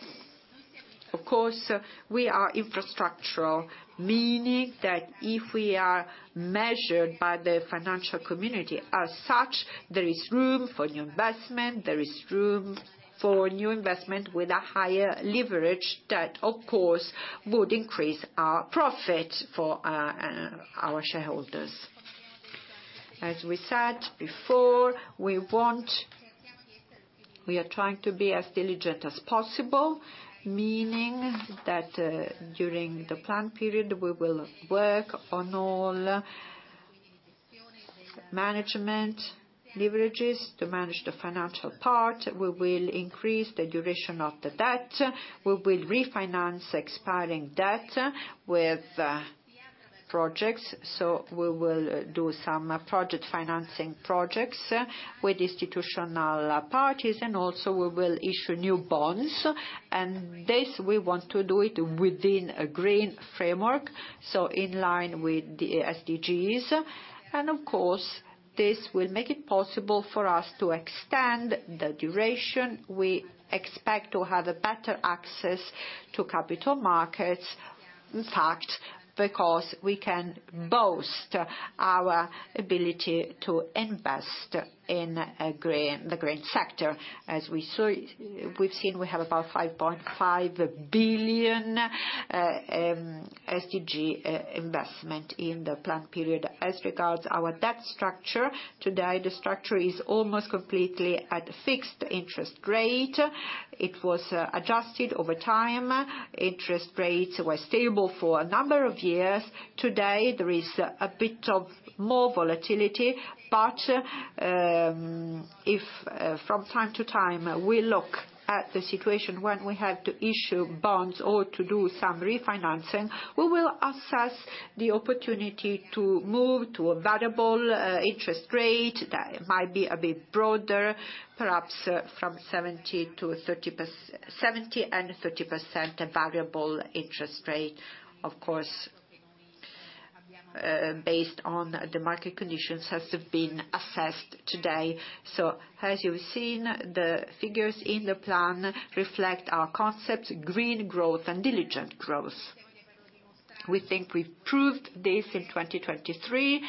Of course, we are infrastructural, meaning that if we are measured by the financial community as such, there is room for new investment, there is room for new investment with a higher leverage that, of course, would increase our profit for our shareholders. As we said before, we are trying to be as diligent as possible, meaning that, during the plan period, we will work on all management leverages to manage the financial part. We will increase the duration of the debt. We will refinance expiring debt with projects. So we will do some project financing projects with institutional parties, and also we will issue new bonds. And this, we want to do it within a green framework, so in line with the SDGs. And of course, this will make it possible for us to extend the duration. We expect to have a better access to capital markets, in fact, because we can boast our ability to invest in a green—the green sector. As we saw, we have about 5.5 billion SDG investment in the plan period. As regards our debt structure, today, the structure is almost completely at a fixed interest rate. It was adjusted over time. Interest rates were stable for a number of years. Today, there is a bit of more volatility, but, if, from time to time, we look at the situation when we have to issue bonds or to do some refinancing, we will assess the opportunity to move to a variable interest rate that might be a bit broader, perhaps from 70 to 30%—70 and 30% variable interest rate. Of course, based on the market conditions, as have been assessed today. So as you've seen, the figures in the plan reflect our concepts, green growth and diligent growth. We think we've proved this in 2023,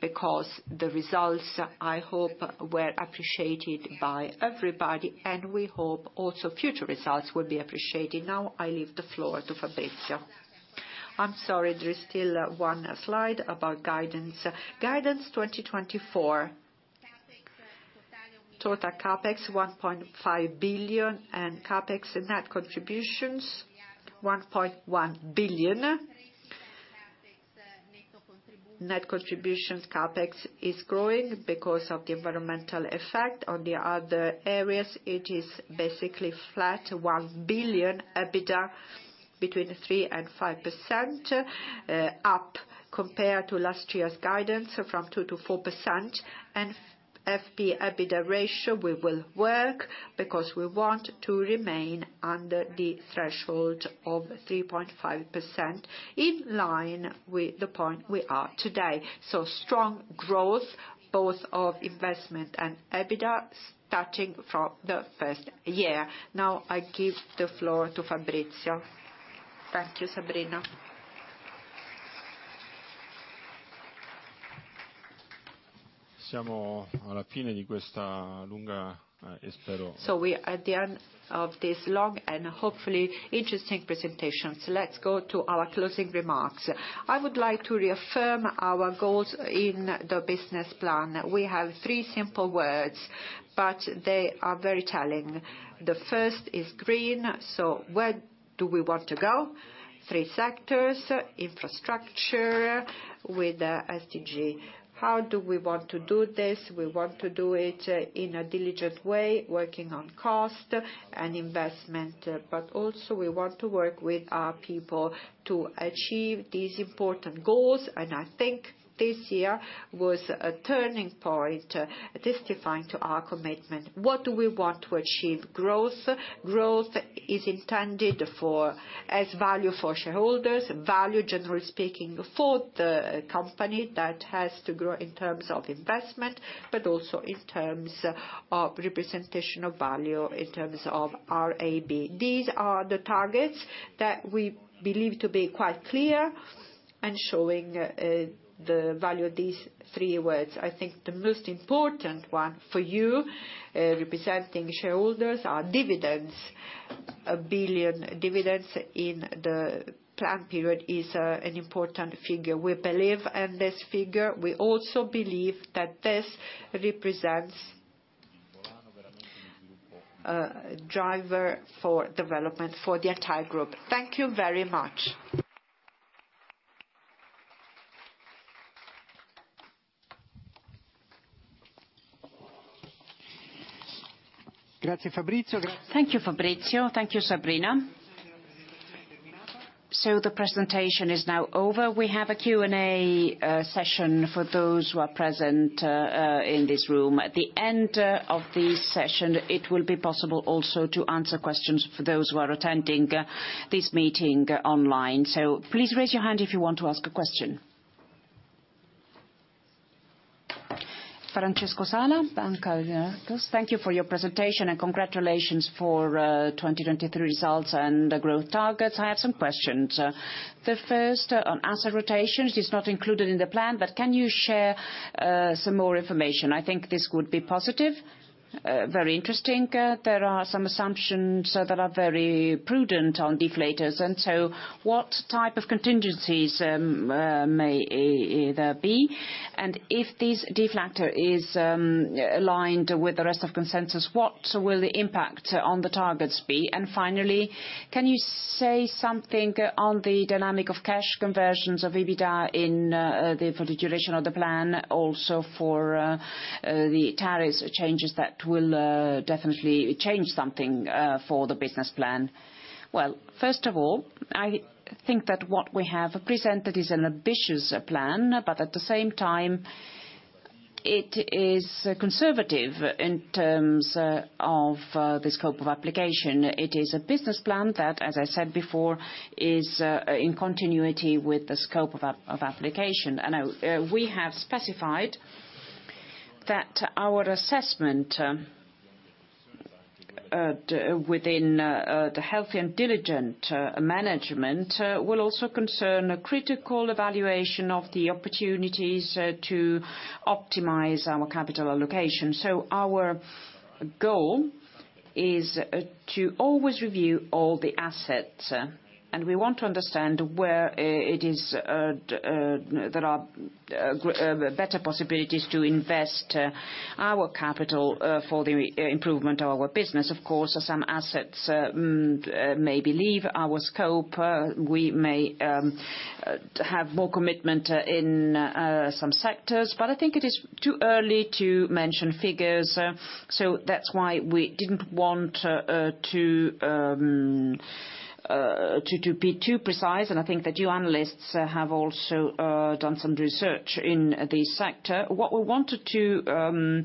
because the results, I hope, were appreciated by everybody, and we hope also future results will be appreciated. Now, I leave the floor to Fabrizio. I'm sorry, there is still one slide about guidance. Guidance 2024. Total CapEx, 1.5 billion, and CapEx net contributions, 1.1 billion. Net contributions CapEx is growing because of the environmental effect. On the other areas, it is basically flat, 1 billion EBITDA between 3% and 5%, up compared to last year's guidance from 2% to 4%. FP EBITDA ratio, we will work because we want to remain under the threshold of 3.5%, in line with the point we are today. So strong growth, both of investment and EBITDA, starting from the first year. Now, I give the floor to Fabrizio. Thank you, Sabrina. So we are at the end of this long and hopefully interesting presentation. So let's go to our closing remarks. I would like to reaffirm our goals in the business plan. We have three simple words, but they are very telling. The first is green, so where do we want to go? Three sectors, infrastructure with SDG. How do we want to do this? We want to do it in a diligent way, working on cost and investment, but also we want to work with our people to achieve these important goals, and I think this year was a turning point, testifying to our commitment. What do we want to achieve? Growth. Growth is intended for, as value for shareholders, value, generally speaking, for the company that has to grow in terms of investment, but also in terms of representation of value, in terms of our AB. These are the targets that we believe to be quite clear and showing, the value of these three words. I think the most important one for you, representing shareholders, are dividends. 1 billion dividends in the plan period is, an important figure. We believe in this figure. We also believe that this represents, driver for development for the entire group. Thank you very much. Thank you, Fabrizio. Thank you, Sabrina. The presentation is now over. We have a Q&A session for those who are present in this room. At the end of this session, it will be possible also to answer questions for those who are attending this meeting online. Please raise your hand if you want to ask a question. Francesco Sala, Banca Akros. Thank you for your presentation, and congratulations for 2023 results and the growth targets. I have some questions. The first on asset rotations, it is not included in the plan, but can you share some more information? I think this would be positive, very interesting. There are some assumptions that are very prudent on deflators, and so what type of contingencies may there be? And if this deflator is aligned with the rest of consensus, what will the impact on the targets be? And finally, can you say something on the dynamic of cash conversions of EBITDA in for the duration of the plan, also for the tariffs changes that will definitely change something for the business plan? Well, first of all, I think that what we have presented is an ambitious plan, but at the same time, it is conservative in terms of the scope of application. It is a business plan that, as I said before, is in continuity with the scope of application. And we have specified that our assessment within the healthy and diligent management will also concern a critical evaluation of the opportunities to optimize our capital allocation. So our goal is to always review all the assets, and we want to understand where it is there are better possibilities to invest our capital for the improvement of our business. Of course, some assets maybe leave our scope. We may have more commitment in some sectors, but I think it is too early to mention figures, so that's why we didn't want to be too precise. And I think that you analysts have also done some research in the sector. What we wanted to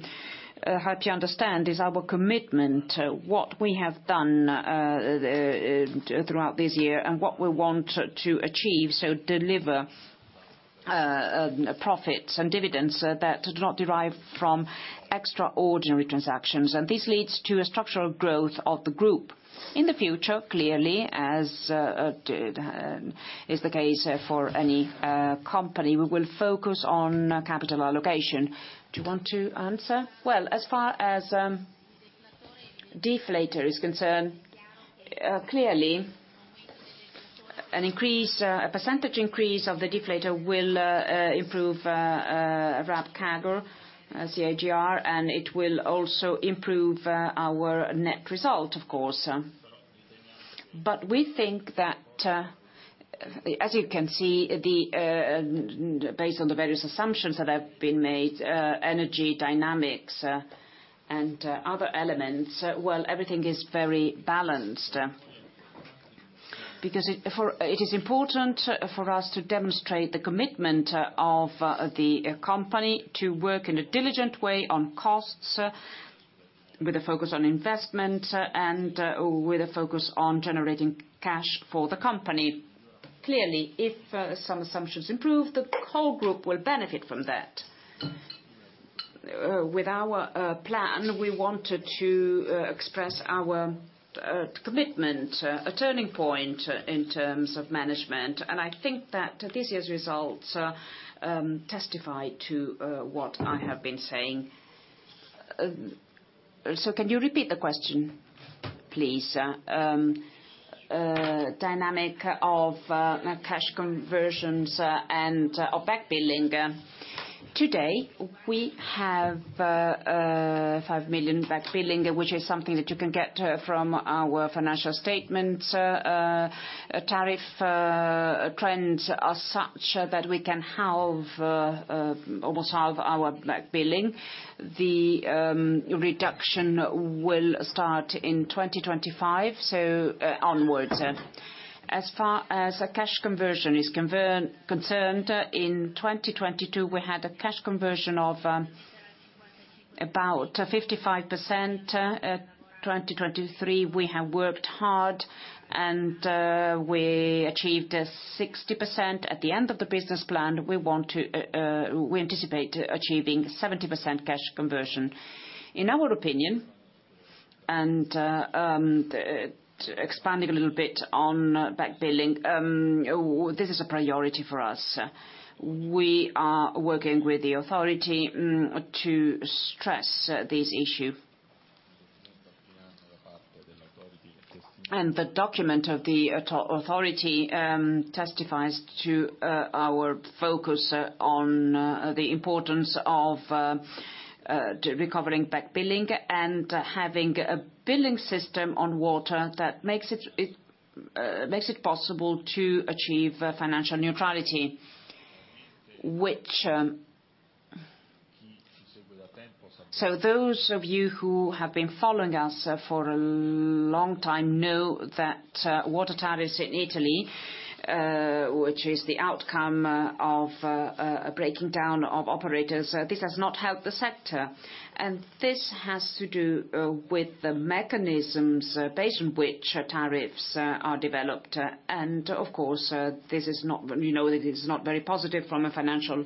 help you understand is our commitment, what we have done throughout this year and what we want to achieve, so deliver profits and dividends that do not derive from extraordinary transactions, and this leads to a structural growth of the group. In the future, clearly, as is the case for any company, we will focus on capital allocation. Do you want to answer? Well, as far as deflator is concerned, clearly, an increase, a percentage increase of the deflator will improve RevCAGR, the AGR, and it will also improve our net result, of course. But we think that, as you can see, the, based on the various assumptions that have been made, energy dynamics, and, other elements, well, everything is very balanced. Because it is important for us to demonstrate the commitment of the company to work in a diligent way on costs, with a focus on investment, and, with a focus on generating cash for the company. Clearly, if some assumptions improve, the whole group will benefit from that. With our plan, we wanted to express our commitment, a turning point in terms of management, and I think that this year's results testify to what I have been saying. So can you repeat the question, please? Dynamic of cash conversions and of back billing. Today, we have 5 million back billing, which is something that you can get from our financial statement. Tariff trends are such that we can almost have our back billing. The reduction will start in 2025, so onwards. As far as the cash conversion is concerned, in 2022, we had a cash conversion of about 55%. 2023, we have worked hard, and we achieved 60%. At the end of the business plan, we want to anticipate achieving 70% cash conversion. In our opinion, and expanding a little bit on back billing, this is a priority for us. We are working with the authority to stress this issue. The document of the ARERA authority testifies to our focus on the importance of recovering back billing and having a billing system on water that makes it possible to achieve financial neutrality, which... So those of you who have been following us for a long time know that water tariffs in Italy, which is the outcome of a breaking down of operators, this has not helped the sector. And this has to do with the mechanisms based on which tariffs are developed. And of course, this is not, you know, it is not very positive from a financial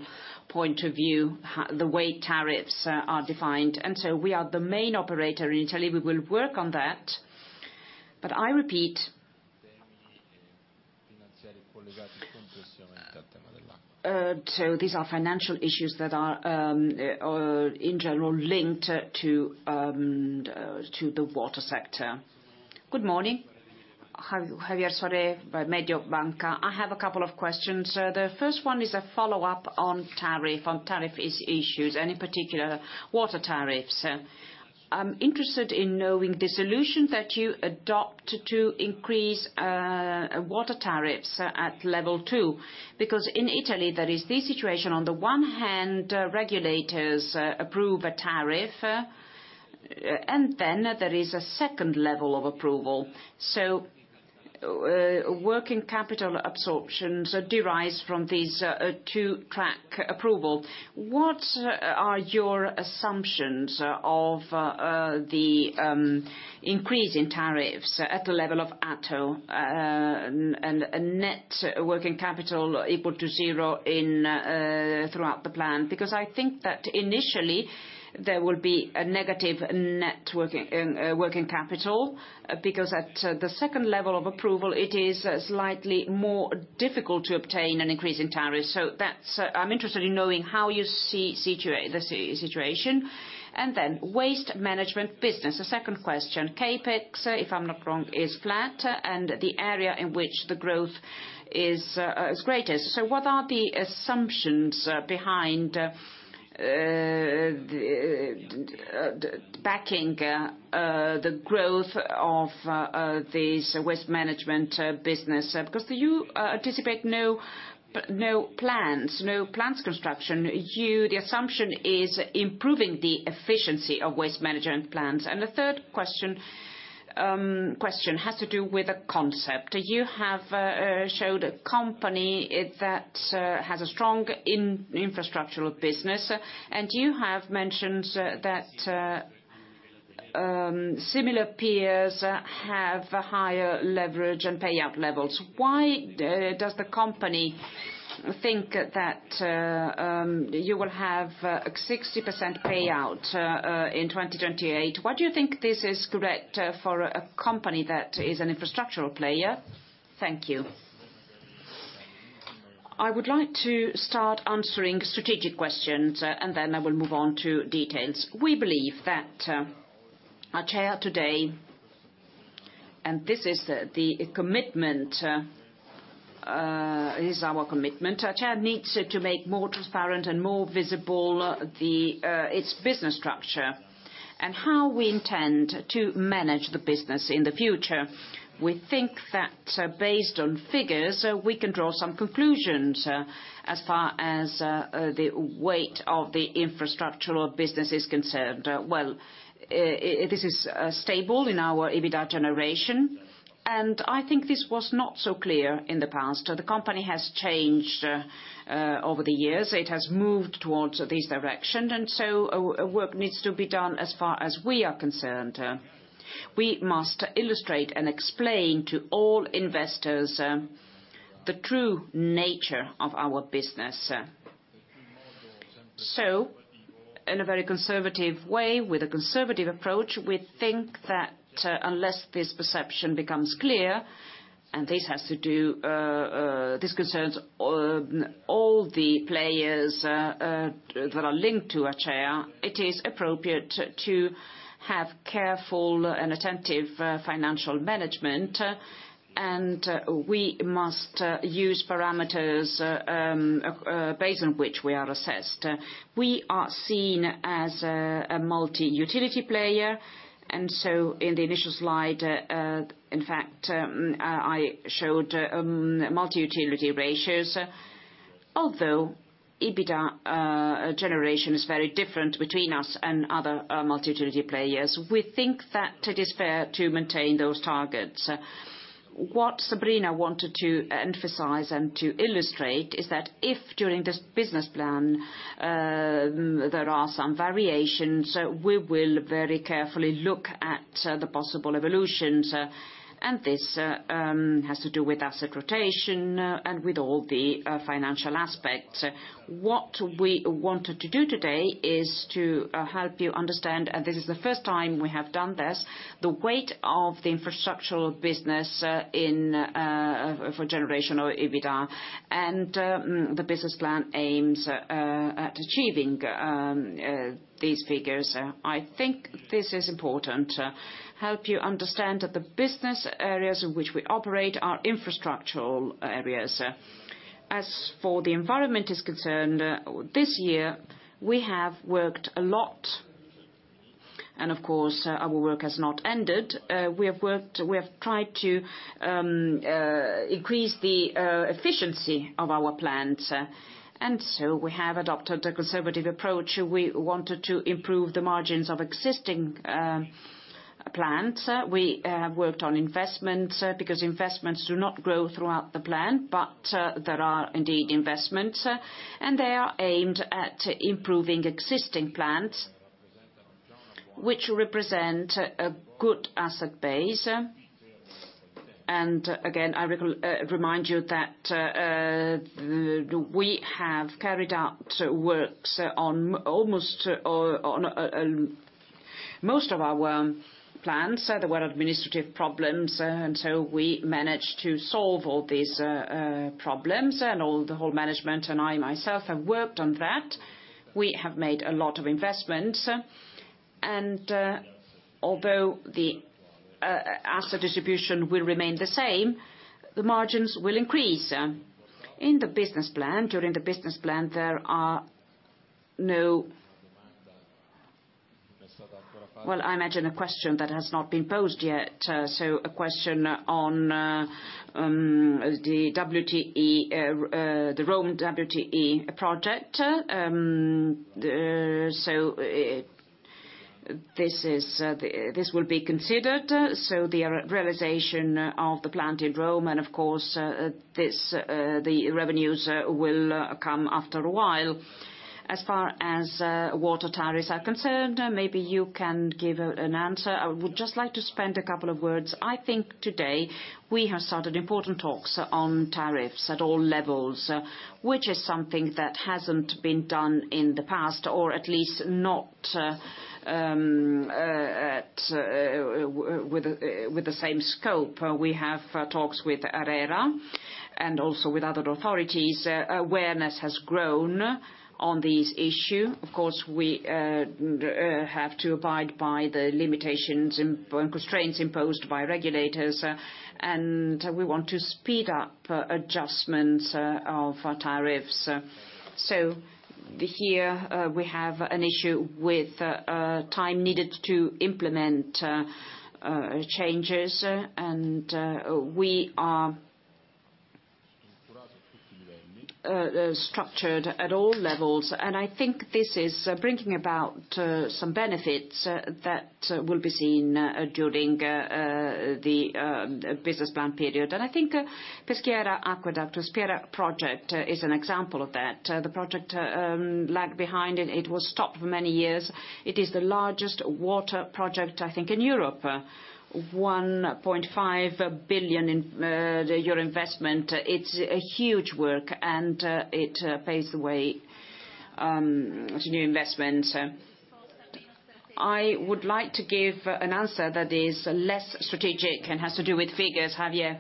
point of view, the way tariffs are defined, and so we are the main operator in Italy. We will work on that, but I repeat-... So these are financial issues that are in general linked to the water sector. Good morning, Javier Suarez from Mediobanca. I have a couple of questions. The first one is a follow-up on tariff issues, and in particular, water tariffs. I'm interested in knowing the solutions that you adopt to increase water tariffs at level two, because in Italy, there is this situation: on the one hand, regulators approve a tariff, and then there is a second level of approval. So, working capital absorptions derive from these two-track approval. What are your assumptions of the increase in tariffs at the level of ATO, and net working capital equal to zero throughout the plan? Because I think that initially there will be a negative net working capital, because at the second level of approval, it is slightly more difficult to obtain an increase in tariffs. So that's... I'm interested in knowing how you see the situation. And then waste management business, a second question. CapEx, if I'm not wrong, is flat, and the area in which the growth is, is greatest. So what are the assumptions behind the backing the growth of this waste management business? Because you anticipate no plans construction. The assumption is improving the efficiency of waste management plans. And the third question has to do with a concept. You have showed a company that has a strong infrastructural business, and you have mentioned that similar peers have higher leverage and payout levels. Why does the company think that you will have a 60% payout in 2028? Why do you think this is correct for a company that is an infrastructural player? Thank you. I would like to start answering strategic questions and then I will move on to details. We believe that Acea today, and this is our commitment, Acea needs to make more transparent and more visible its business structure and how we intend to manage the business in the future. We think that, based on figures, we can draw some conclusions, as far as the weight of the infrastructural business is concerned. Well, this is stable in our EBITDA generation, and I think this was not so clear in the past. The company has changed over the years. It has moved towards this direction, and so, work needs to be done as far as we are concerned. We must illustrate and explain to all investors, the true nature of our business. So, in a very conservative way, with a conservative approach, we think that, unless this perception becomes clear, and this has to do, this concerns, all the players, that are linked to Acea, it is appropriate to have careful and attentive, financial management, and we must use parameters, based on which we are assessed. We are seen as a multi-utility player, and so in the initial slide, in fact, I showed multi-utility ratios. Although, EBITDA generation is very different between us and other multi-utility players, we think that it is fair to maintain those targets. What Sabrina wanted to emphasize and to illustrate is that if, during this business plan, there are some variations, we will very carefully look at the possible evolutions, and this has to do with asset rotation, and with all the financial aspects. What we wanted to do today is to help you understand, and this is the first time we have done this, the weight of the infrastructural business in for generational EBITDA, and the business plan aims at achieving these figures. I think this is important help you understand that the business areas in which we operate are infrastructural areas. As for the environment is concerned, this year, we have worked a lot, and of course, our work has not ended. We have worked, we have tried to increase the efficiency of our plants, and so we have adopted a conservative approach. We wanted to improve the margins of existing plants. We worked on investments, because investments do not grow throughout the plan, but there are indeed investments, and they are aimed at improving existing plants, which represent a good asset base. And again, I remind you that we have carried out works on almost most of our plants. There were administrative problems, and so we managed to solve all these problems, and the whole management, and I myself have worked on that. We have made a lot of investments, and although the asset distribution will remain the same, the margins will increase. In the business plan, during the business plan, there are no ... Well, I imagine a question that has not been posed yet, so a question on the WTE, the Rome WTE project. So, this is the—this will be considered, so the realization of the plant in Rome, and of course, this, the revenues will come after a while. As far as water tariffs are concerned, maybe you can give an answer. I would just like to spend a couple of words. I think today we have started important talks on tariffs at all levels, which is something that hasn't been done in the past, or at least not with the same scope. We have talks with ARERA and also with other authorities. Awareness has grown on this issue. Of course, we have to abide by the limitations and constraints imposed by regulators, and we want to speed up adjustments of tariffs. So here, we have an issue with time needed to implement changes, and we are structured at all levels, and I think this is bringing about some benefits that will be seen during the business plan period. And I think Peschiera Aqueduct, Peschiera project, is an example of that. The project lagged behind, and it was stopped for many years. It is the largest water project, I think, in Europe, 1.5 billion investment. It's a huge work, and it paves the way to new investments. I would like to give an answer that is less strategic and has to do with figures, Javier.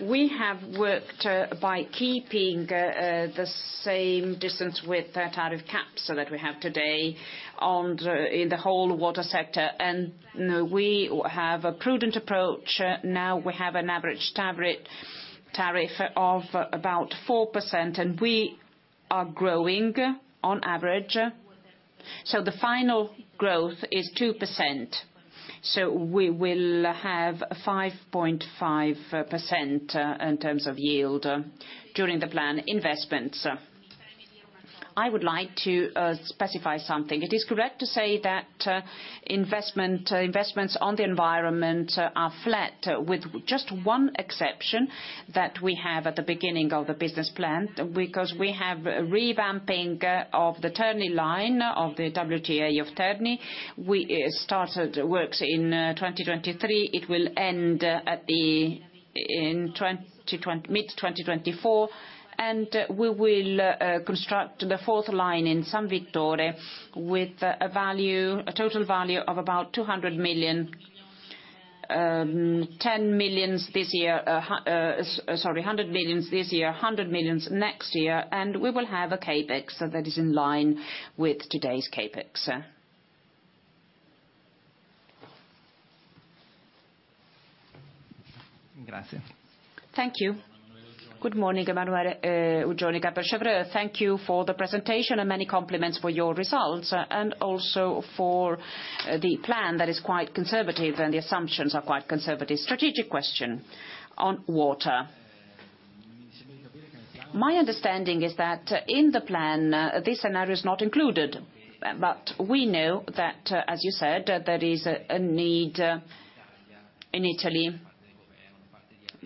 We have worked by keeping the same distance with the tariff cap, so that we have today on the, in the whole water sector, and, you know, we have a prudent approach. Now, we have an average tariff, tariff of about 4%, and we are growing on average. So the final growth is 2%, so we will have 5.5% in terms of yield during the plan investments. I would like to specify something. It is correct to say that investment investments on the environment are flat, with just one exception that we have at the beginning of the business plan, because we have revamping of the Terni line of the WTE of Terni. We started works in 2023. It will end at the in 2024 mid-2024, and we will construct the fourth line in San Vittore with a value, a total value of about 200 million, ten millions this year, sorry, hundred millions this year, hundred millions next year, and we will have a CapEx that is in line with today's CapEx. Thank you. Good morning, Emanuele. Thank you for the presentation and many compliments for your results, and also for the plan that is quite conservative, and the assumptions are quite conservative. Strategic question on water. My understanding is that, in the plan, this scenario is not included, but we know that, as you said, there is a need in Italy,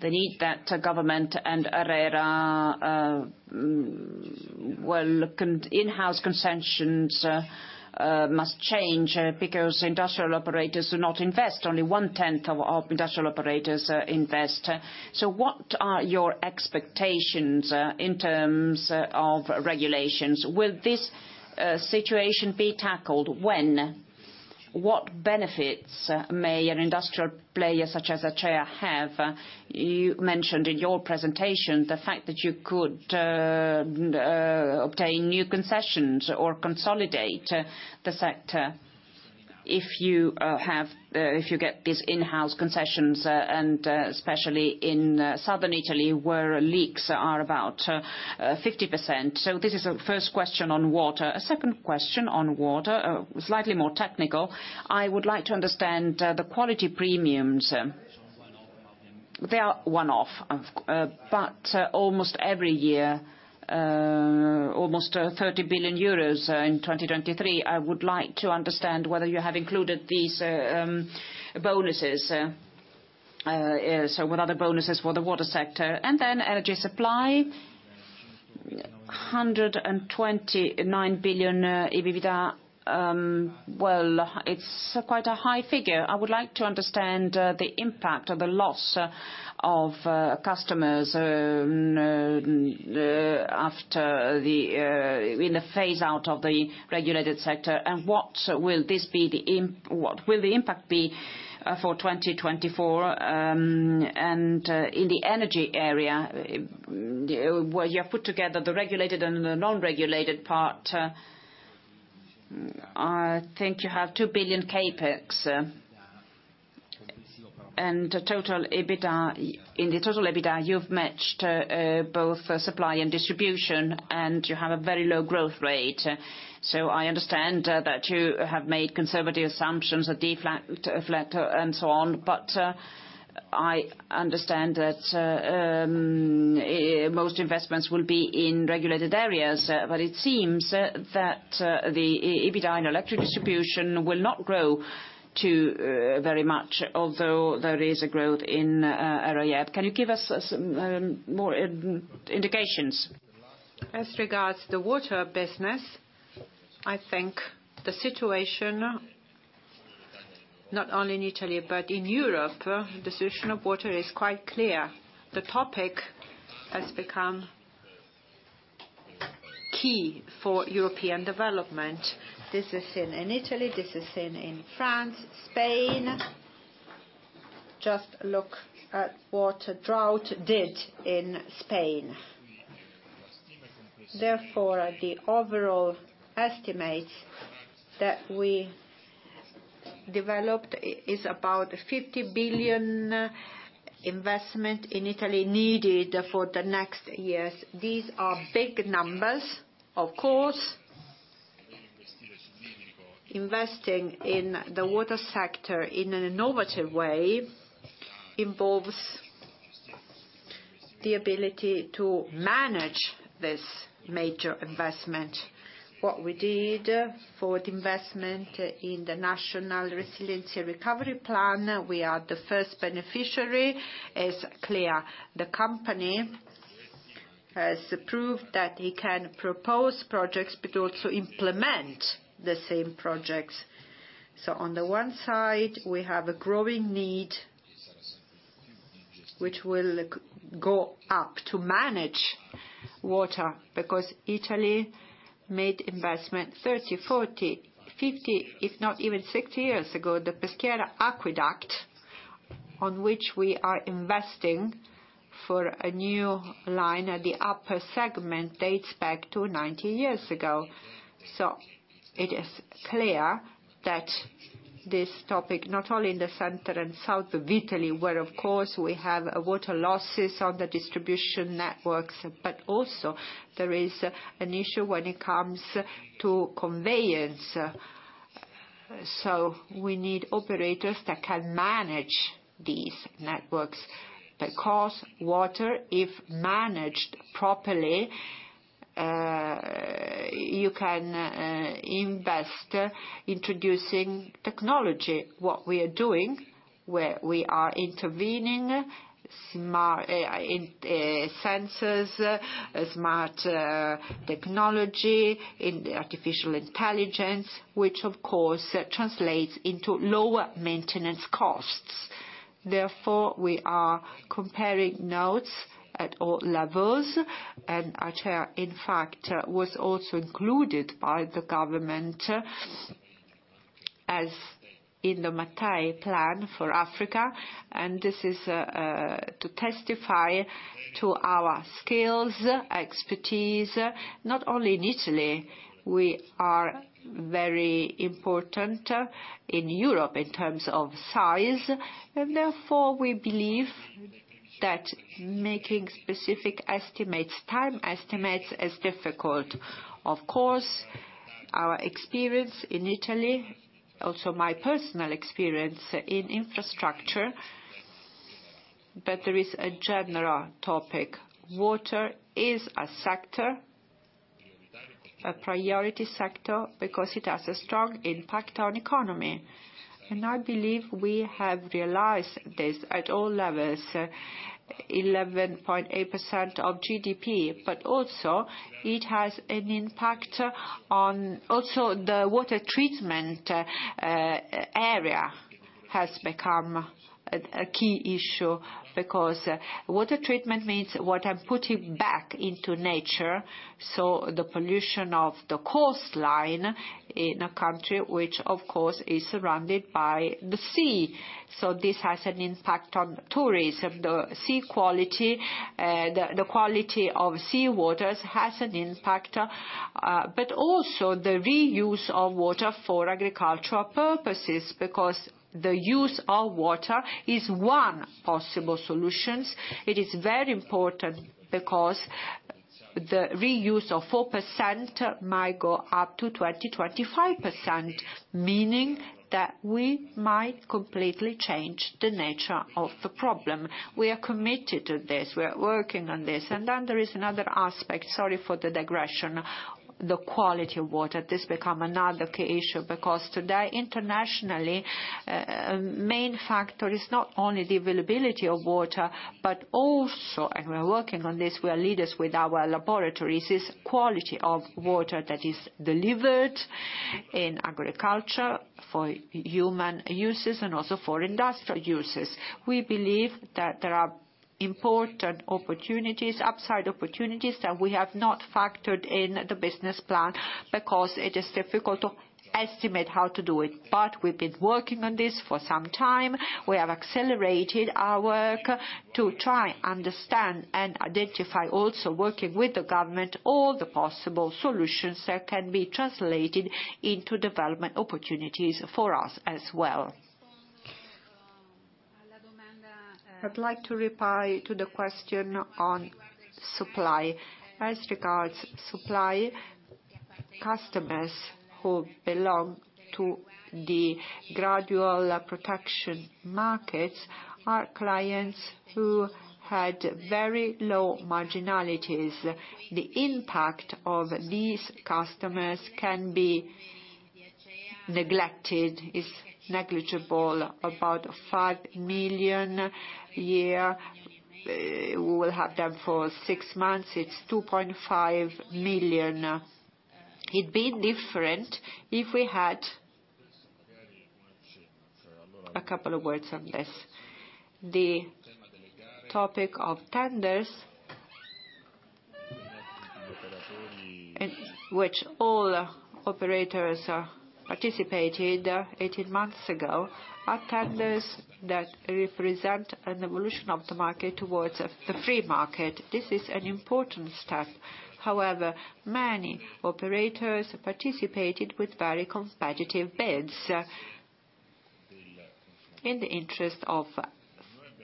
the need that government and ARERA, well, in-house concessions must change, because industrial operators do not invest. Only 1/10 of our industrial operators invest. So what are your expectations in terms of regulations? Will this situation be tackled? When? What benefits may an industrial player such as A2A have? You mentioned in your presentation the fact that you could obtain new concessions or consolidate the sector if you have, if you get these in-house concessions, and especially in southern Italy, where leaks are about 50%. So this is a first question on water. A second question on water, slightly more technical: I would like to understand the quality premiums. They are one-off, but almost every year, almost 30 million euros in 2023. I would like to understand whether you have included these bonuses, so what are the bonuses for the water sector? And then energy supply—EUR 129 million EBITDA, well, it's quite a high figure. I would like to understand the impact of the loss of customers after the phase out of the regulated sector, and what will the impact be for 2024? In the energy area, where you have put together the regulated and the non-regulated part, I think you have 2 billion CapEx, and total EBITDA, in the total EBITDA, you've matched both supply and distribution, and you have a very low growth rate. So I understand that you have made conservative assumptions, a deflator, flat, and so on. But I understand that most investments will be in regulated areas, but it seems that the EBITDA and electric distribution will not grow to very much, although there is a growth in RAB. Can you give us some more indications? As regards the water business, I think the situation, not only in Italy, but in Europe, the decision of water is quite clear. The topic has become key for European development. This is seen in Italy, this is seen in France, Spain. Just look at what drought did in Spain. Therefore, the overall estimate that we developed is about 50 billion investment in Italy needed for the next years. These are big numbers. Of course, investing in the water sector in an innovative way, involves the ability to manage this major investment. What we did for the investment in the National Recovery and Resilience Plan, we are the first beneficiary, is clear. The company has approved that it can propose projects, but also implement the same projects. So on the one side, we have a growing need, which will go up to manage water, because Italy made investment 30, 40, 50, if not even 60 years ago. The Peschiera Aqueduct, on which we are investing for a new line at the upper segment, dates back to 90 years ago. So it is clear that this topic, not only in the center and south of Italy, where, of course, we have water losses on the distribution networks, but also there is an issue when it comes to conveyance. So we need operators that can manage these networks, because water, if managed properly, you can invest introducing technology. What we are doing, where we are intervening, smart sensors, smart technology, in the artificial intelligence, which of course, translates into lower maintenance costs. Therefore, we are comparing notes at all levels, and Acea, in fact, was also included by the government, as in the Mattei Plan for Africa, and this is to testify to our skills, expertise, not only in Italy, we are very important in Europe in terms of size, and therefore, we believe that making specific estimates, time estimates, is difficult. Of course, our experience in Italy, also my personal experience in infrastructure, but there is a general topic. Water is a sector, a priority sector, because it has a strong impact on economy, and I believe we have realized this at all levels, 11.8% of GDP, but also it has an impact on... Also, the water treatment area has become a key issue because water treatment means water putting back into nature, so the pollution of the coastline in a country which, of course, is surrounded by the sea. So this has an impact on tourism. The sea quality, the quality of sea waters has an impact, but also the reuse of water for agricultural purposes, because the use of water is one possible solutions. It is very important because the reuse of 4% might go up to 20, 25%, meaning that we might completely change the nature of the problem. We are committed to this. We are working on this. And then there is another aspect, sorry for the digression.... The quality of water, this become another key issue, because today, internationally, main factor is not only the availability of water, but also, and we're working on this, we are leaders with our laboratories, is quality of water that is delivered in agriculture, for human uses, and also for industrial uses. We believe that there are important opportunities, upside opportunities, that we have not factored in the business plan, because it is difficult to estimate how to do it. But we've been working on this for some time. We have accelerated our work to try, understand, and identify, also working with the government, all the possible solutions that can be translated into development opportunities for us as well. I'd like to reply to the question on supply. As regards supply, customers who belong to the gradual protection markets are clients who had very low marginalities. The impact of these customers can be neglected; it is negligible, about 5 million a year. We will have them for six months; it's 2.5 million. It'd be different if we had... A couple of words on this. The topic of tenders, in which all operators participated 18 months ago, are tenders that represent an evolution of the market towards a, the free market. This is an important step. However, many operators participated with very competitive bids in the interest of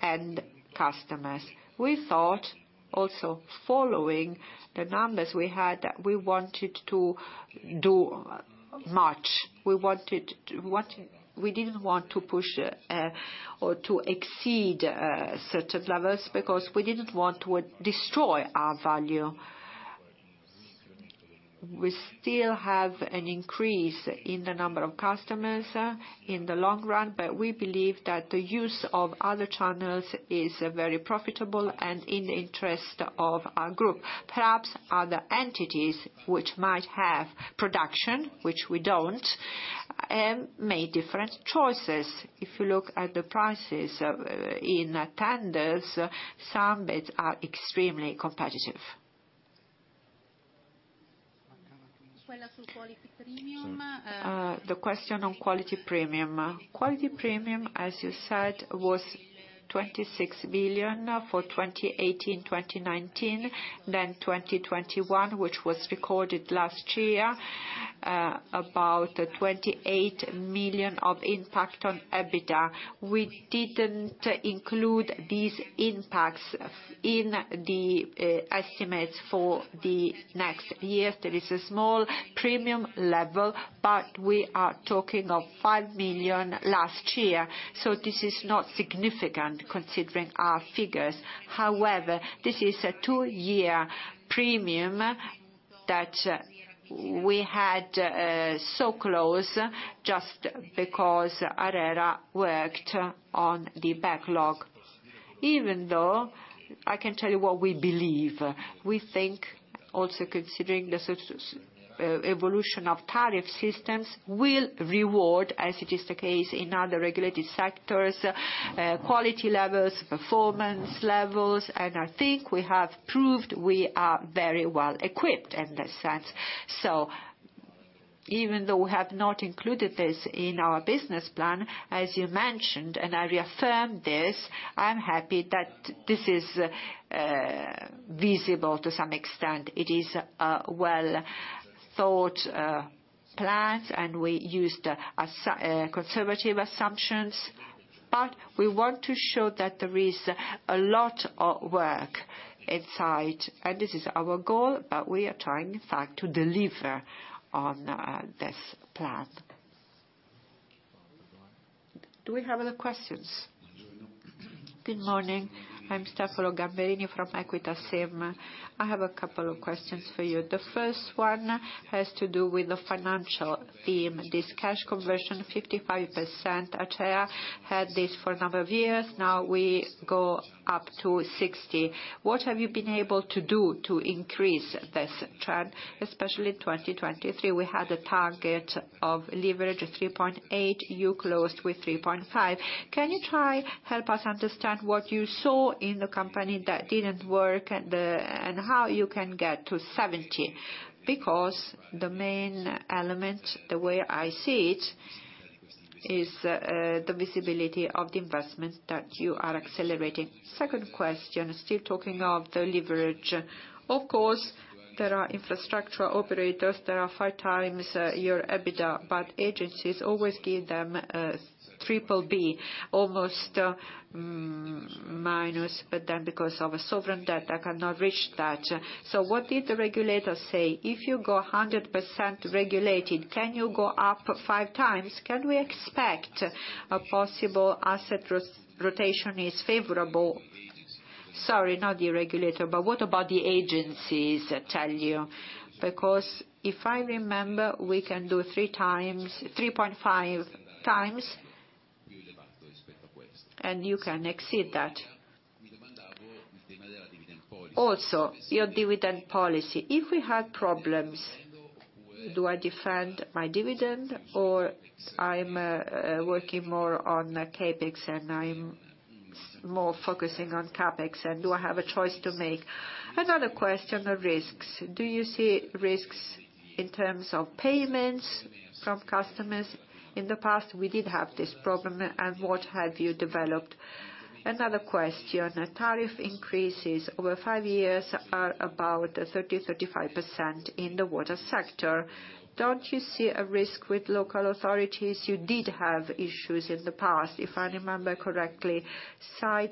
end customers. We thought, also following the numbers we had, that we wanted to do much. We wanted to We didn't want to push or to exceed certain levels, because we didn't want to destroy our value. We still have an increase in the number of customers, in the long run, but we believe that the use of other channels is, very profitable and in the interest of our group. Perhaps other entities which might have production, which we don't, made different choices. If you look at the prices, in tenders, some bids are extremely competitive. The question on quality premium. Quality premium, as you said, was 26 million for 2018, 2019, then 2021, which was recorded last year, about 28 million of impact on EBITDA. We didn't include these impacts in the, estimates for the next year. There is a small premium level, but we are talking of 5 million last year, so this is not significant considering our figures. However, this is a two-year premium that we had so close, just because ARERA worked on the backlog. Even though, I can tell you what we believe. We think, also considering the evolution of tariff systems, will reward, as it is the case in other regulated sectors, quality levels, performance levels, and I think we have proved we are very well equipped in that sense. So even though we have not included this in our business plan, as you mentioned, and I reaffirm this, I'm happy that this is visible to some extent. It is a well-thought plan, and we used conservative assumptions. But we want to show that there is a lot of work inside, and this is our goal, but we are trying, in fact, to deliver on this plan. Do we have other questions? Good morning. I'm Stefano Gamberini from Equita SIM. I have a couple of questions for you. The first one has to do with the financial theme, this cash conversion, 55%. ACEA had this for a number of years, now we go up to 60%. What have you been able to do to increase this trend? Especially in 2023, we had a target of leverage of 3.8, you closed with 3.5. Can you try help us understand what you saw in the company that didn't work, and, and how you can get to 70%? Because the main element, the way I see it, is, the visibility of the investments that you are accelerating. Second question, still talking of the leverage. Of course, there are infrastructure operators that are 5 times your EBITDA, but agencies always give them triple B almost minus, but then because of a sovereign debt, they cannot reach that. So what did the regulators say? If you go 100% regulated, can you go up 5 times? Can we expect a possible asset rotation is favorable? Sorry, not the regulator, but what about the agencies tell you? Because if I remember, we can do 3 times, 3.5 times, and you can exceed that. Also, your dividend policy, if we have problems, do I defend my dividend or I'm working more on CapEx, and I'm more focusing on CapEx, and do I have a choice to make? Another question on risks: Do you see risks in terms of payments from customers? In the past, we did have this problem, and what have you developed? Another question, tariff increases over five years are about 30-35% in the water sector. Don't you see a risk with local authorities? You did have issues in the past. If I remember correctly, five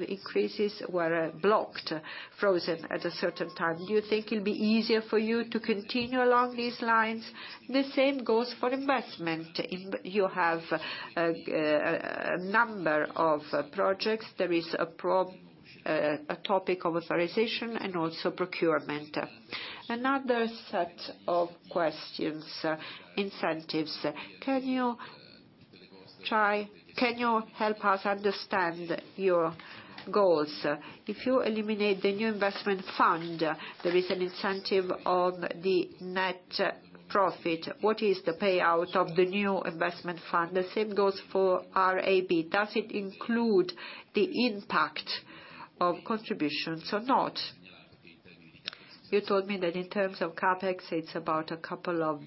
increases were blocked, frozen at a certain time. Do you think it'll be easier for you to continue along these lines? The same goes for investment. In, you have a number of projects. There is a topic of authorization and also procurement. Another set of questions, incentives. Can you help us understand your goals? If you eliminate the new investment fund, there is an incentive of the net profit. What is the payout of the new investment fund? The same goes for RAB, does it include the impact of contributions or not? You told me that in terms of CapEx, it's about 2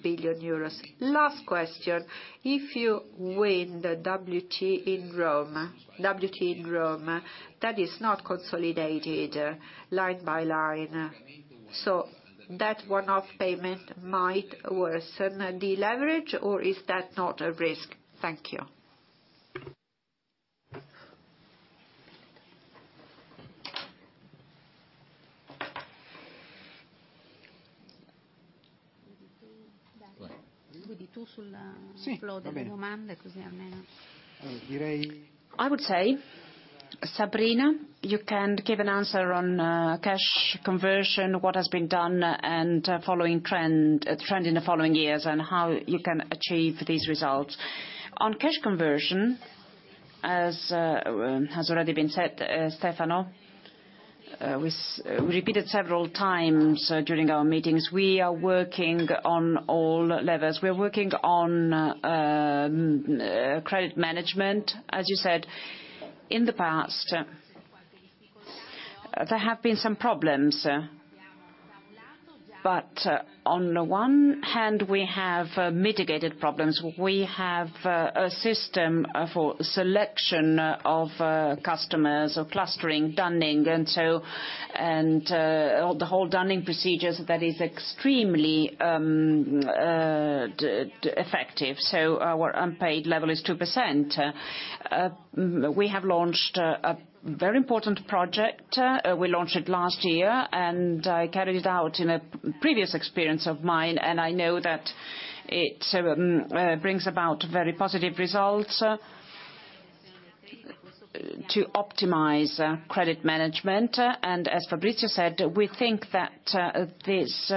billion euros. Last question, if you win the WTE in Rome, WTE in Rome, that is not consolidated line by line, so that one-off payment might worsen the leverage, or is that not a risk? Thank you. I would say, Sabrina, you can give an answer on cash conversion, what has been done, and following trend, trend in the following years, and how you can achieve these results. On cash conversion, as has already been said, Stefano, we repeated several times during our meetings, we are working on all levers. We are working on credit management. As you said, in the past, there have been some problems, but on the one hand, we have mitigated problems. We have a system for selection of customers or clustering, dunning, and so, and the whole dunning procedures, that is extremely effective, so our unpaid level is 2%. We have launched a very important project, we launched it last year, and I carried it out in a previous experience of mine, and I know that it brings about very positive results to optimize credit management. And as Fabrizio said, we think that this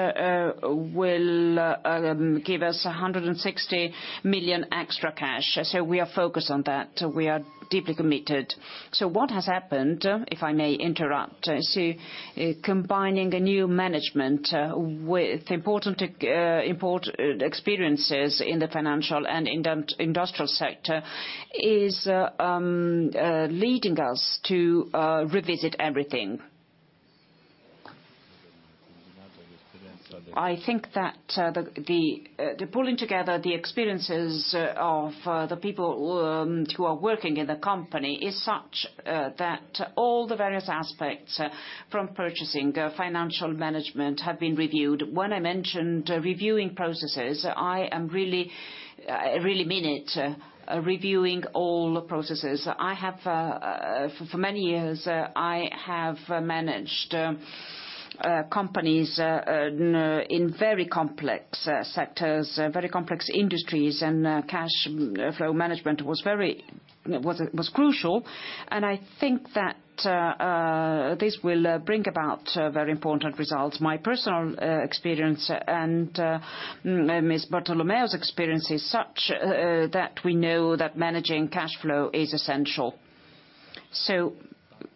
will give us 160 million extra cash, so we are focused on that. We are deeply committed. So what has happened, if I may interrupt, so combining a new management with important experiences in the financial and industrial sector is leading us to revisit everything. I think that the pulling together the experiences of the people who are working in the company is such that all the various aspects from purchasing financial management have been reviewed. When I mentioned reviewing processes, I am really really mean it, reviewing all the processes. I have for many years I have managed companies in very complex sectors very complex industries, and cash flow management was very crucial, and I think that this will bring about very important results. My personal experience and Ms. Bartolomeo's experience is such that we know that managing cash flow is essential. So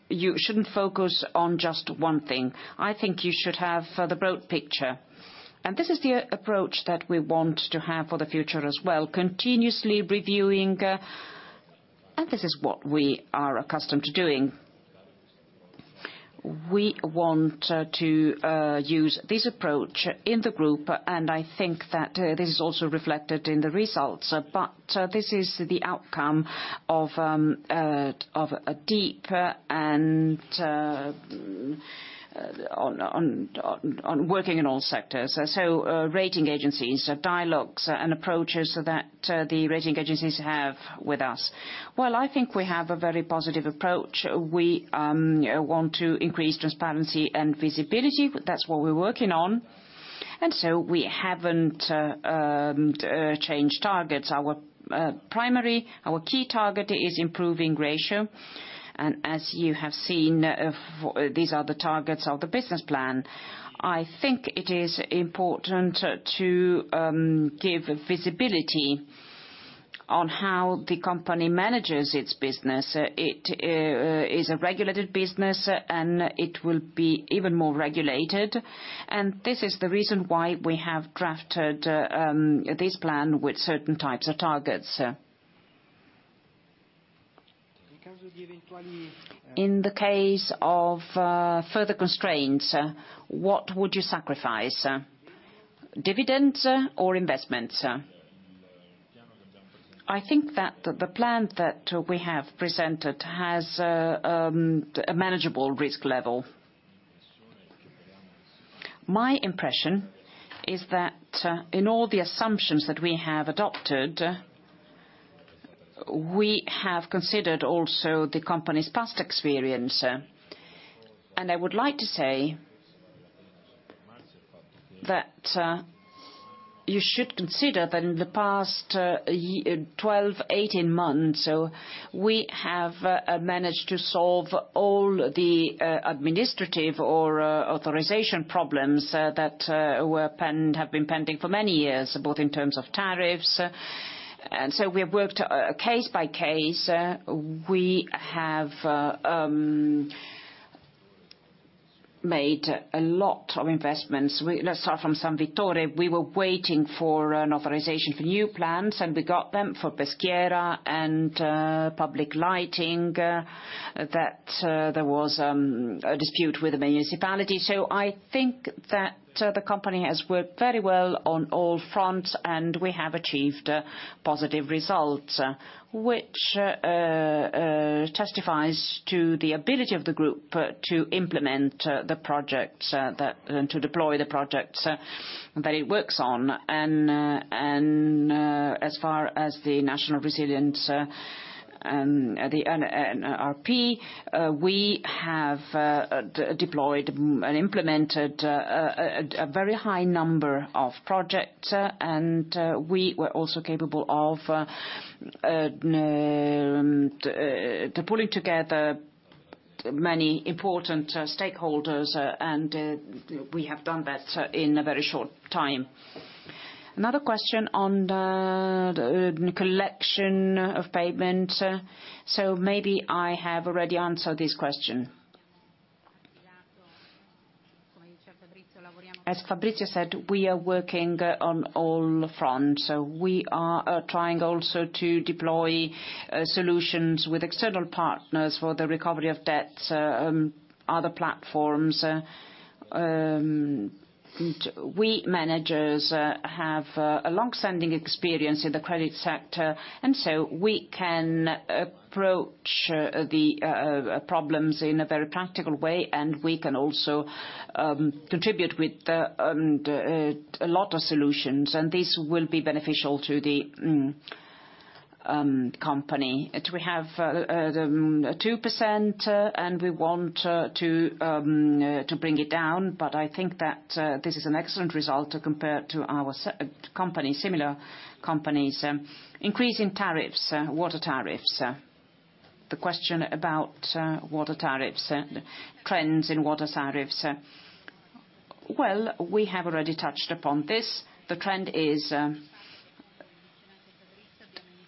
you shouldn't focus on just one thing. I think you should have the broad picture, and this is the approach that we want to have for the future as well, continuously reviewing, and this is what we are accustomed to doing. We want to use this approach in the group, and I think that this is also reflected in the results. But this is the outcome of a deep and ongoing working in all sectors. So, rating agencies, dialogues, and approaches that the rating agencies have with us. Well, I think we have a very positive approach. We want to increase transparency and visibility. That's what we're working on, and so we haven't changed targets. Our primary, our key target is improving ratio, and as you have seen, these are the targets of the business plan. I think it is important to give visibility on how the company manages its business. It is a regulated business, and it will be even more regulated, and this is the reason why we have drafted this plan with certain types of targets. In the case of further constraints, what would you sacrifice, dividends or investments? I think that the plan that we have presented has a manageable risk level. My impression is that, in all the assumptions that we have adopted, we have considered also the company's past experience, and I would like to say that, you should consider that in the past 12, 18 months, so we have managed to solve all the administrative or authorization problems, that have been pending for many years, both in terms of tariffs. And so we have worked, case by case. We have made a lot of investments. Let's start from San Vittore. We were waiting for an authorization for new plans, and we got them for Peschiera and public lighting, that there was a dispute with the municipality. So I think that the company has worked very well on all fronts, and we have achieved positive results, which testifies to the ability of the group to implement the projects that—and to deploy the projects that it works on. And as far as the national resilience, the NRRP, we have deployed and implemented a very high number of projects, and we were also capable of to pulling together many important stakeholders, and we have done that in a very short time. Another question on the collection of payment, so maybe I have already answered this question. As Fabrizio said, we are working on all fronts, so we are trying also to deploy solutions with external partners for the recovery of debts, other platforms. We managers have a long-standing experience in the credit sector, and so we can approach the problems in a very practical way, and we can also contribute with a lot of solutions, and this will be beneficial to the company. We have 2%, and we want to bring it down, but I think that this is an excellent result compared to our s- company, similar companies. Increasing tariffs, water tariffs, the question about water tariffs and trends in water tariffs. Well, we have already touched upon this. The trend is,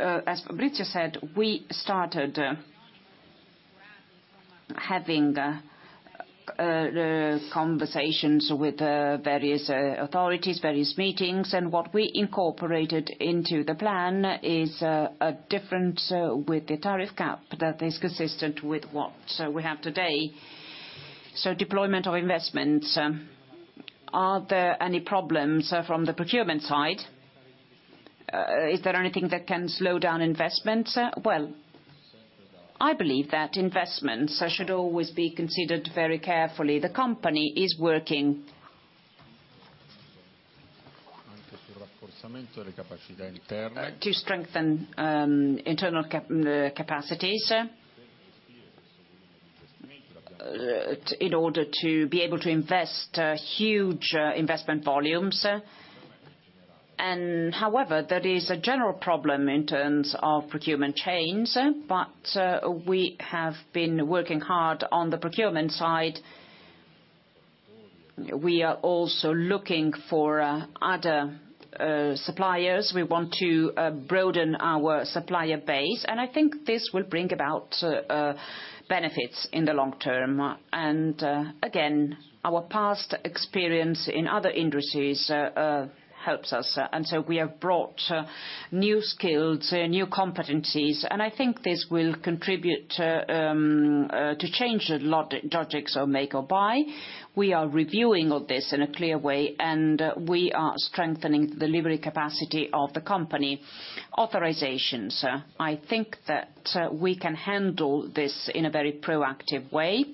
as Fabrizio said, we started having conversations with various authorities, various meetings, and what we incorporated into the plan is a different with the tariff cap that is consistent with what, so we have today. So deployment of investments, are there any problems from the procurement side? Is there anything that can slow down investments? Well, I believe that investments should always be considered very carefully. The company is working to strengthen internal capacities in order to be able to invest huge investment volumes. And however, there is a general problem in terms of procurement chains, but we have been working hard on the procurement side. We are also looking for other suppliers. We want to broaden our supplier base, and I think this will bring about benefits in the long term. Again, our past experience in other industries helps us, and so we have brought new skills, new competencies, and I think this will contribute to change the logics of make or buy. We are reviewing all this in a clear way, and we are strengthening the delivery capacity of the company. Authorizations, I think that we can handle this in a very proactive way,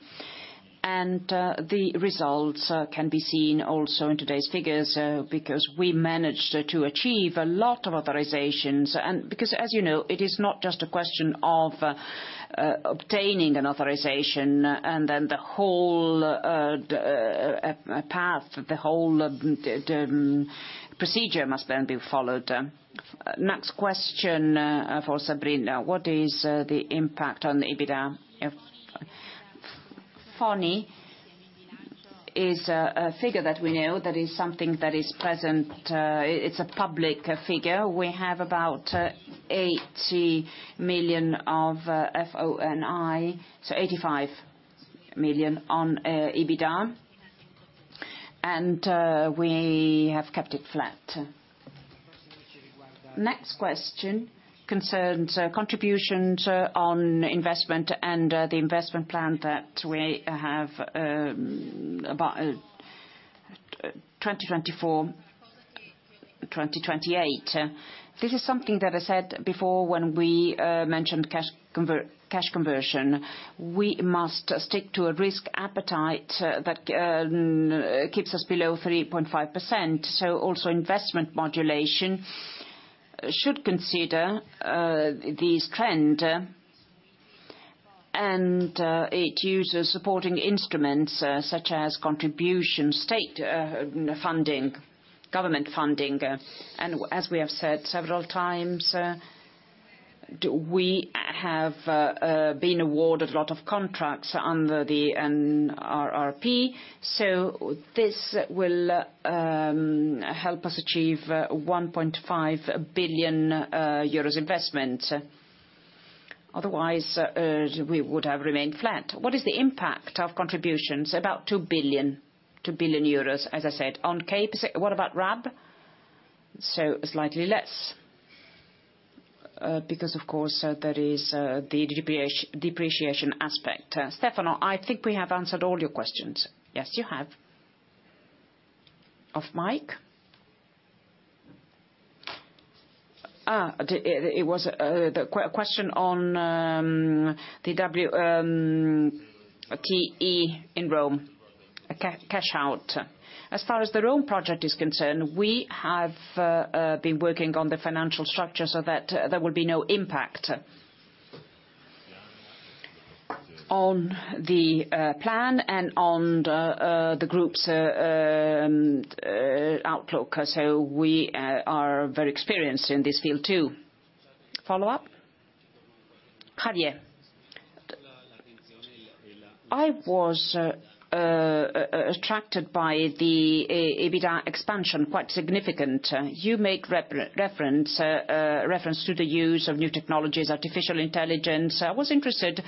and the results can be seen also in today's figures, because we managed to achieve a lot of authorizations, and because, as you know, it is not just a question of obtaining an authorization, and then the whole path, the whole procedure must then be followed. Next question for Sabrina: What is the impact on the EBITDA of-... FoNI is a figure that we know, that is something that is present, it's a public figure. We have about 80 million of FoNI, so 85 million on EBITDA, and we have kept it flat. Next question concerns contributions on investment and the investment plan that we have about 2024, 2028. This is something that I said before when we mentioned cash conversion. We must stick to a risk appetite that keeps us below 3.5%, so also investment modulation should consider this trend, and it uses supporting instruments such as contribution, state funding, government funding. And as we have said several times, we have been awarded a lot of contracts under the RRP, so this will help us achieve 1.5 billion euros investment. Otherwise, we would have remained flat. What is the impact of contributions? About 2 billion euros, 2 billion euros, as I said, on CapEx. What about RAB? So slightly less, because, of course, there is the depreciation aspect. Stefano, I think we have answered all your questions. Yes, you have. Off Mike? Ah, it was the question on the WTE in Rome, cash out. As far as the Rome project is concerned, we have been working on the financial structure so that there will be no impact on the plan and on the group's outlook. So we are very experienced in this field, too. Follow-up? Javier. I was attracted by the EBITDA expansion, quite significant. You make reference to the use of new technologies, artificial intelligence. I was interested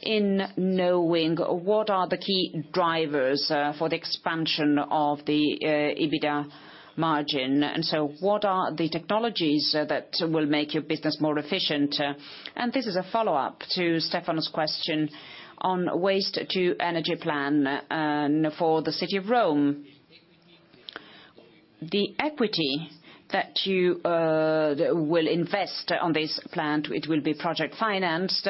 in knowing what are the key drivers for the expansion of the EBITDA margin. And so what are the technologies that will make your business more efficient? And this is a follow-up to Stefano's question on waste-to-energy plan for the city of Rome. The equity that you will invest on this plant, it will be project financed.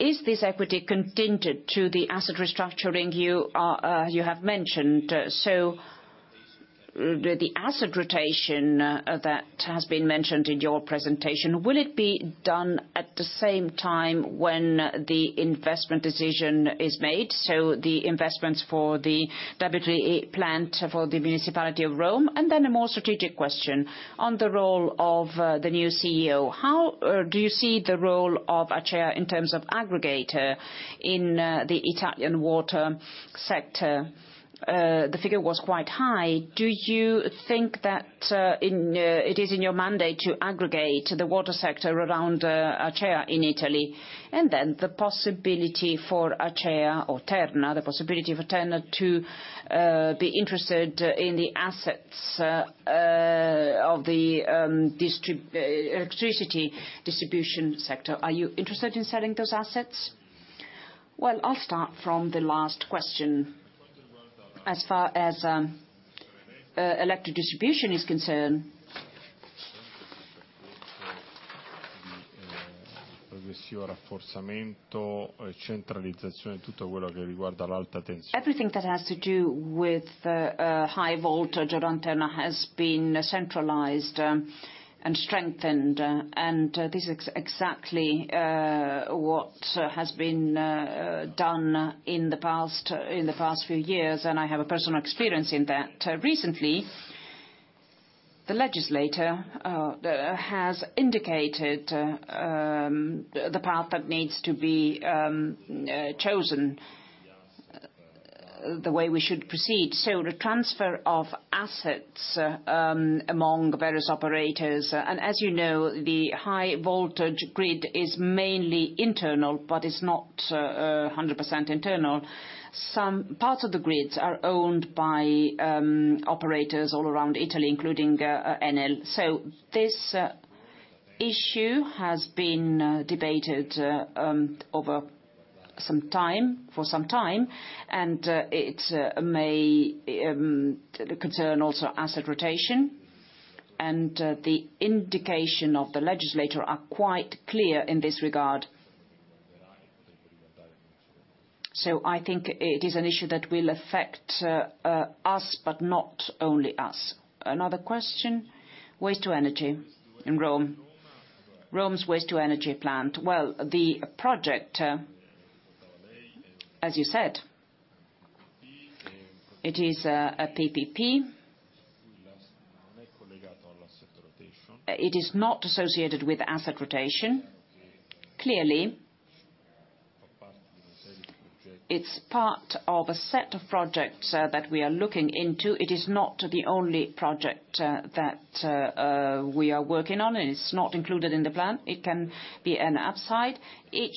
Is this equity contingent to the asset restructuring you are, you have mentioned? So the, the asset rotation that has been mentioned in your presentation, will it be done at the same time when the investment decision is made, so the investments for the WTE plant for the municipality of Rome? And then a more strategic question on the role of the new CEO: How do you see the role of Acea in terms of aggregator in the Italian water sector? The figure was quite high. Do you think that in it is in your mandate to aggregate the water sector around Acea in Italy? And then the possibility for Acea or Terna, the possibility for Terna to be interested in the assets of the electricity distribution sector, are you interested in selling those assets? Well, I'll start from the last question. As far as electric distribution is concerned... Everything that has to do with high voltage around Terna has been centralized and strengthened, and this is exactly what has been done in the past, in the past few years, and I have a personal experience in that. Recently, the legislator has indicated the path that needs to be chosen, the way we should proceed, so the transfer of assets among various operators... And as you know, the high voltage grid is mainly internal, but it's not 100% internal. Some parts of the grids are owned by operators all around Italy, including Enel. So this issue has been debated over some time, for some time, and it may concern also asset rotation, and the indication of the legislator are quite clear in this regard. So I think it is an issue that will affect us, but not only us. Another question? Waste-to-energy in Rome, Rome's waste-to-energy plant. Well, the project, as you said, it is a PPP.... It is not associated with asset rotation, clearly. It's part of a set of projects that we are looking into. It is not the only project that we are working on, and it's not included in the plan. It can be an upside. Each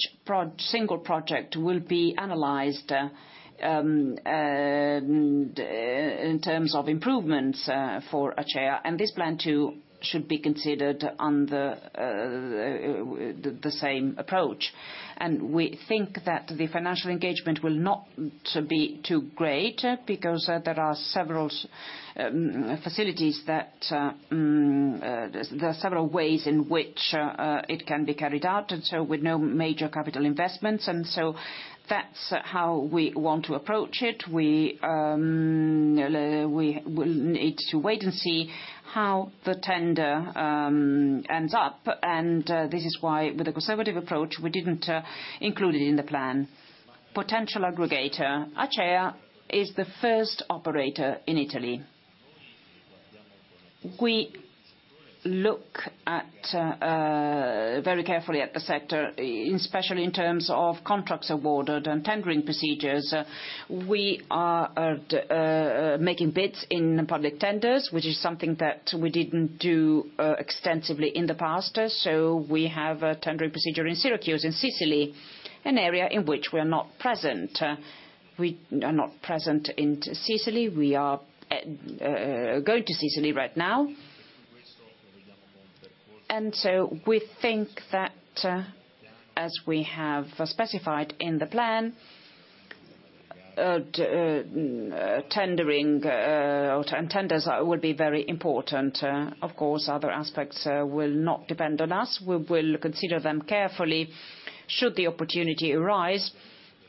single project will be analyzed in terms of improvements for Acea, and this plan, too, should be considered under the same approach. And we think that the financial engagement will not to be too great because there are several facilities that there's several ways in which it can be carried out, and so with no major capital investments, and so that's how we want to approach it. We will need to wait and see how the tender ends up, and this is why, with a conservative approach, we didn't include it in the plan. Potential aggregator, Acea is the first operator in Italy. We look very carefully at the sector, especially in terms of contracts awarded and tendering procedures. We are making bids in public tenders, which is something that we didn't do extensively in the past, so we have a tendering procedure in Syracuse, in Sicily, an area in which we are not present. We are not present in Sicily. We are going to Sicily right now. And so we think that, as we have specified in the plan, tendering and tenders will be very important. Of course, other aspects will not depend on us. We will consider them carefully should the opportunity arise,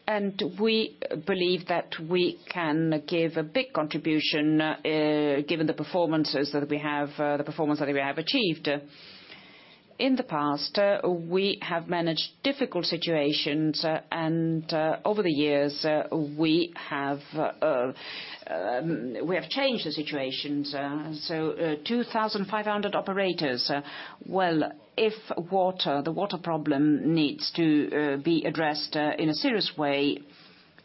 and we believe that we can give a big contribution, given the performances that we have, the performance that we have achieved. In the past, we have managed difficult situations, and over the years, we have changed the situations. So, 2,500 operators, well, if water, the water problem needs to be addressed in a serious way,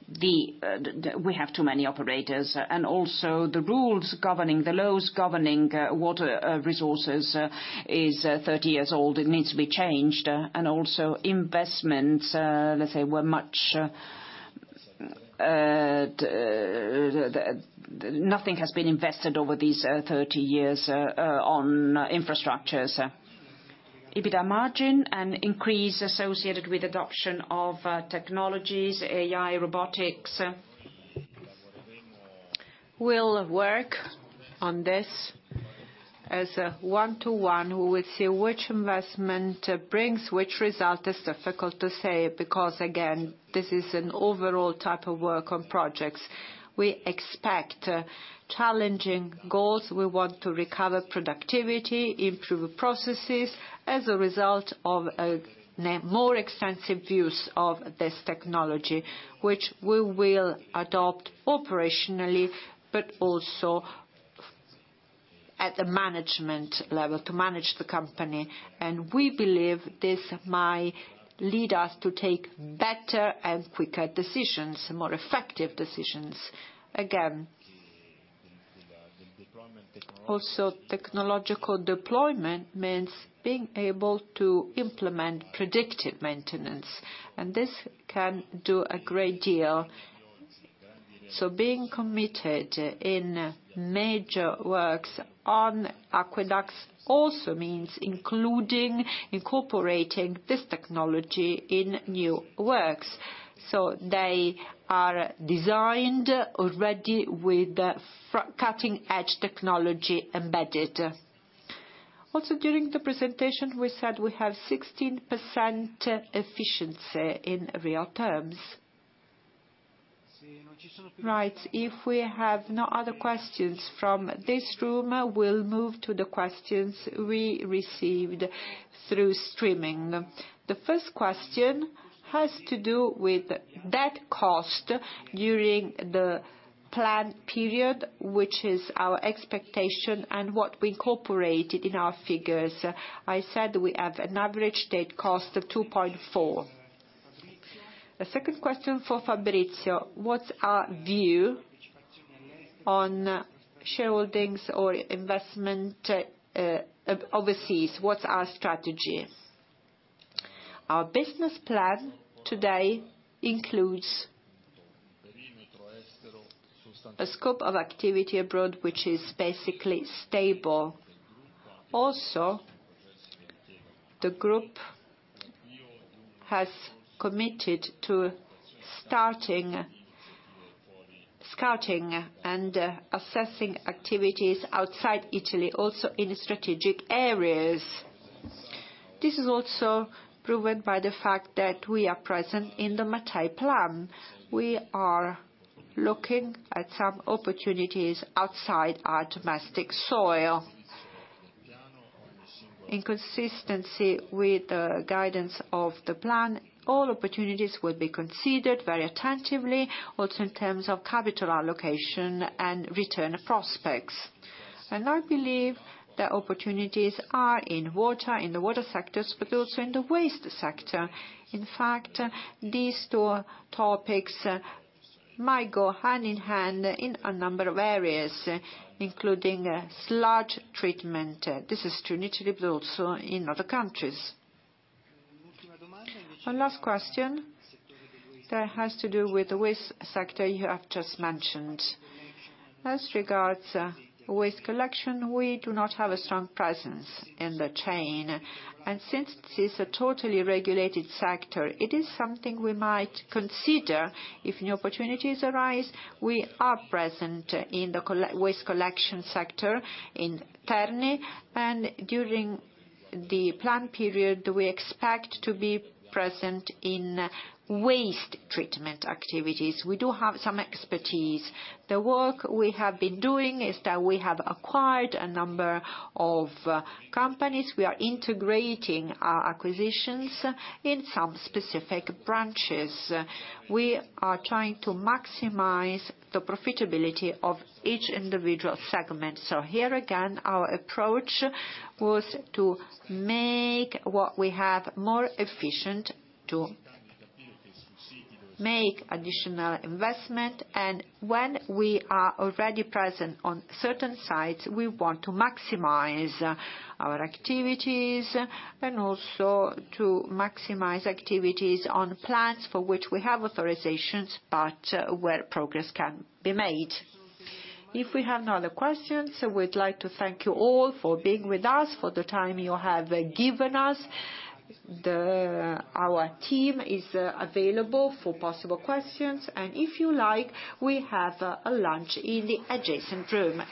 the—we have too many operators, and also the rules governing, the laws governing water resources is 30 years old. It needs to be changed, and also investments, let's say, were much, nothing has been invested over these 30 years, on infrastructures. EBITDA margin, an increase associated with adoption of, technologies, AI, robotics. We'll work on this as a one-to-one. We will see which investment, brings which result. It's difficult to say, because again, this is an overall type of work on projects. We expect challenging goals. We want to recover productivity, improve processes as a result of a more extensive use of this technology, which we will adopt operationally, but also at the management level, to manage the company, and we believe this might lead us to take better and quicker decisions, more effective decisions. Again, also technological deployment means being able to implement predictive maintenance, and this can do a great deal. So being committed in major works on aqueducts also means including, incorporating this technology in new works, so they are designed already with cutting-edge technology embedded. Also, during the presentation, we said we have 16% efficiency in real terms. Right. If we have no other questions from this room, we'll move to the questions we received through streaming. The first question has to do with that debt cost during the plan period, which is our expectation and what we incorporated in our figures. I said we have an average debt cost of 2.4. The second question for Fabrizio: What's our view on shareholdings or investment overseas? What's our strategy? Our business plan today includes... a scope of activity abroad, which is basically stable. Also, the group has committed to starting, scouting, and assessing activities outside Italy, also in strategic areas. This is also proven by the fact that we are present in the Mattei Plan. We are looking at some opportunities outside our domestic soil. In consistency with the guidance of the plan, all opportunities will be considered very attentively, also in terms of capital allocation and return prospects. I believe the opportunities are in water, in the water sectors, but also in the waste sector. In fact, these two topics might go hand in hand in a number of areas, including sludge treatment. This is true in Italy, but also in other countries. One last question that has to do with the waste sector you have just mentioned. As regards waste collection, we do not have a strong presence in the chain, and since this is a totally regulated sector, it is something we might consider if new opportunities arise. We are present in the waste collection sector in Terni, and during the plan period, we expect to be present in waste treatment activities. We do have some expertise. The work we have been doing is that we have acquired a number of companies. We are integrating our acquisitions in some specific branches. We are trying to maximize the profitability of each individual segment. So here, again, our approach was to make what we have more efficient, to make additional investment, and when we are already present on certain sites, we want to maximize our activities, and also to maximize activities on plans for which we have authorizations, but where progress can be made. If we have no other questions, we'd like to thank you all for being with us, for the time you have given us. Our team is available for possible questions, and if you like, we have a lunch in the adjacent room.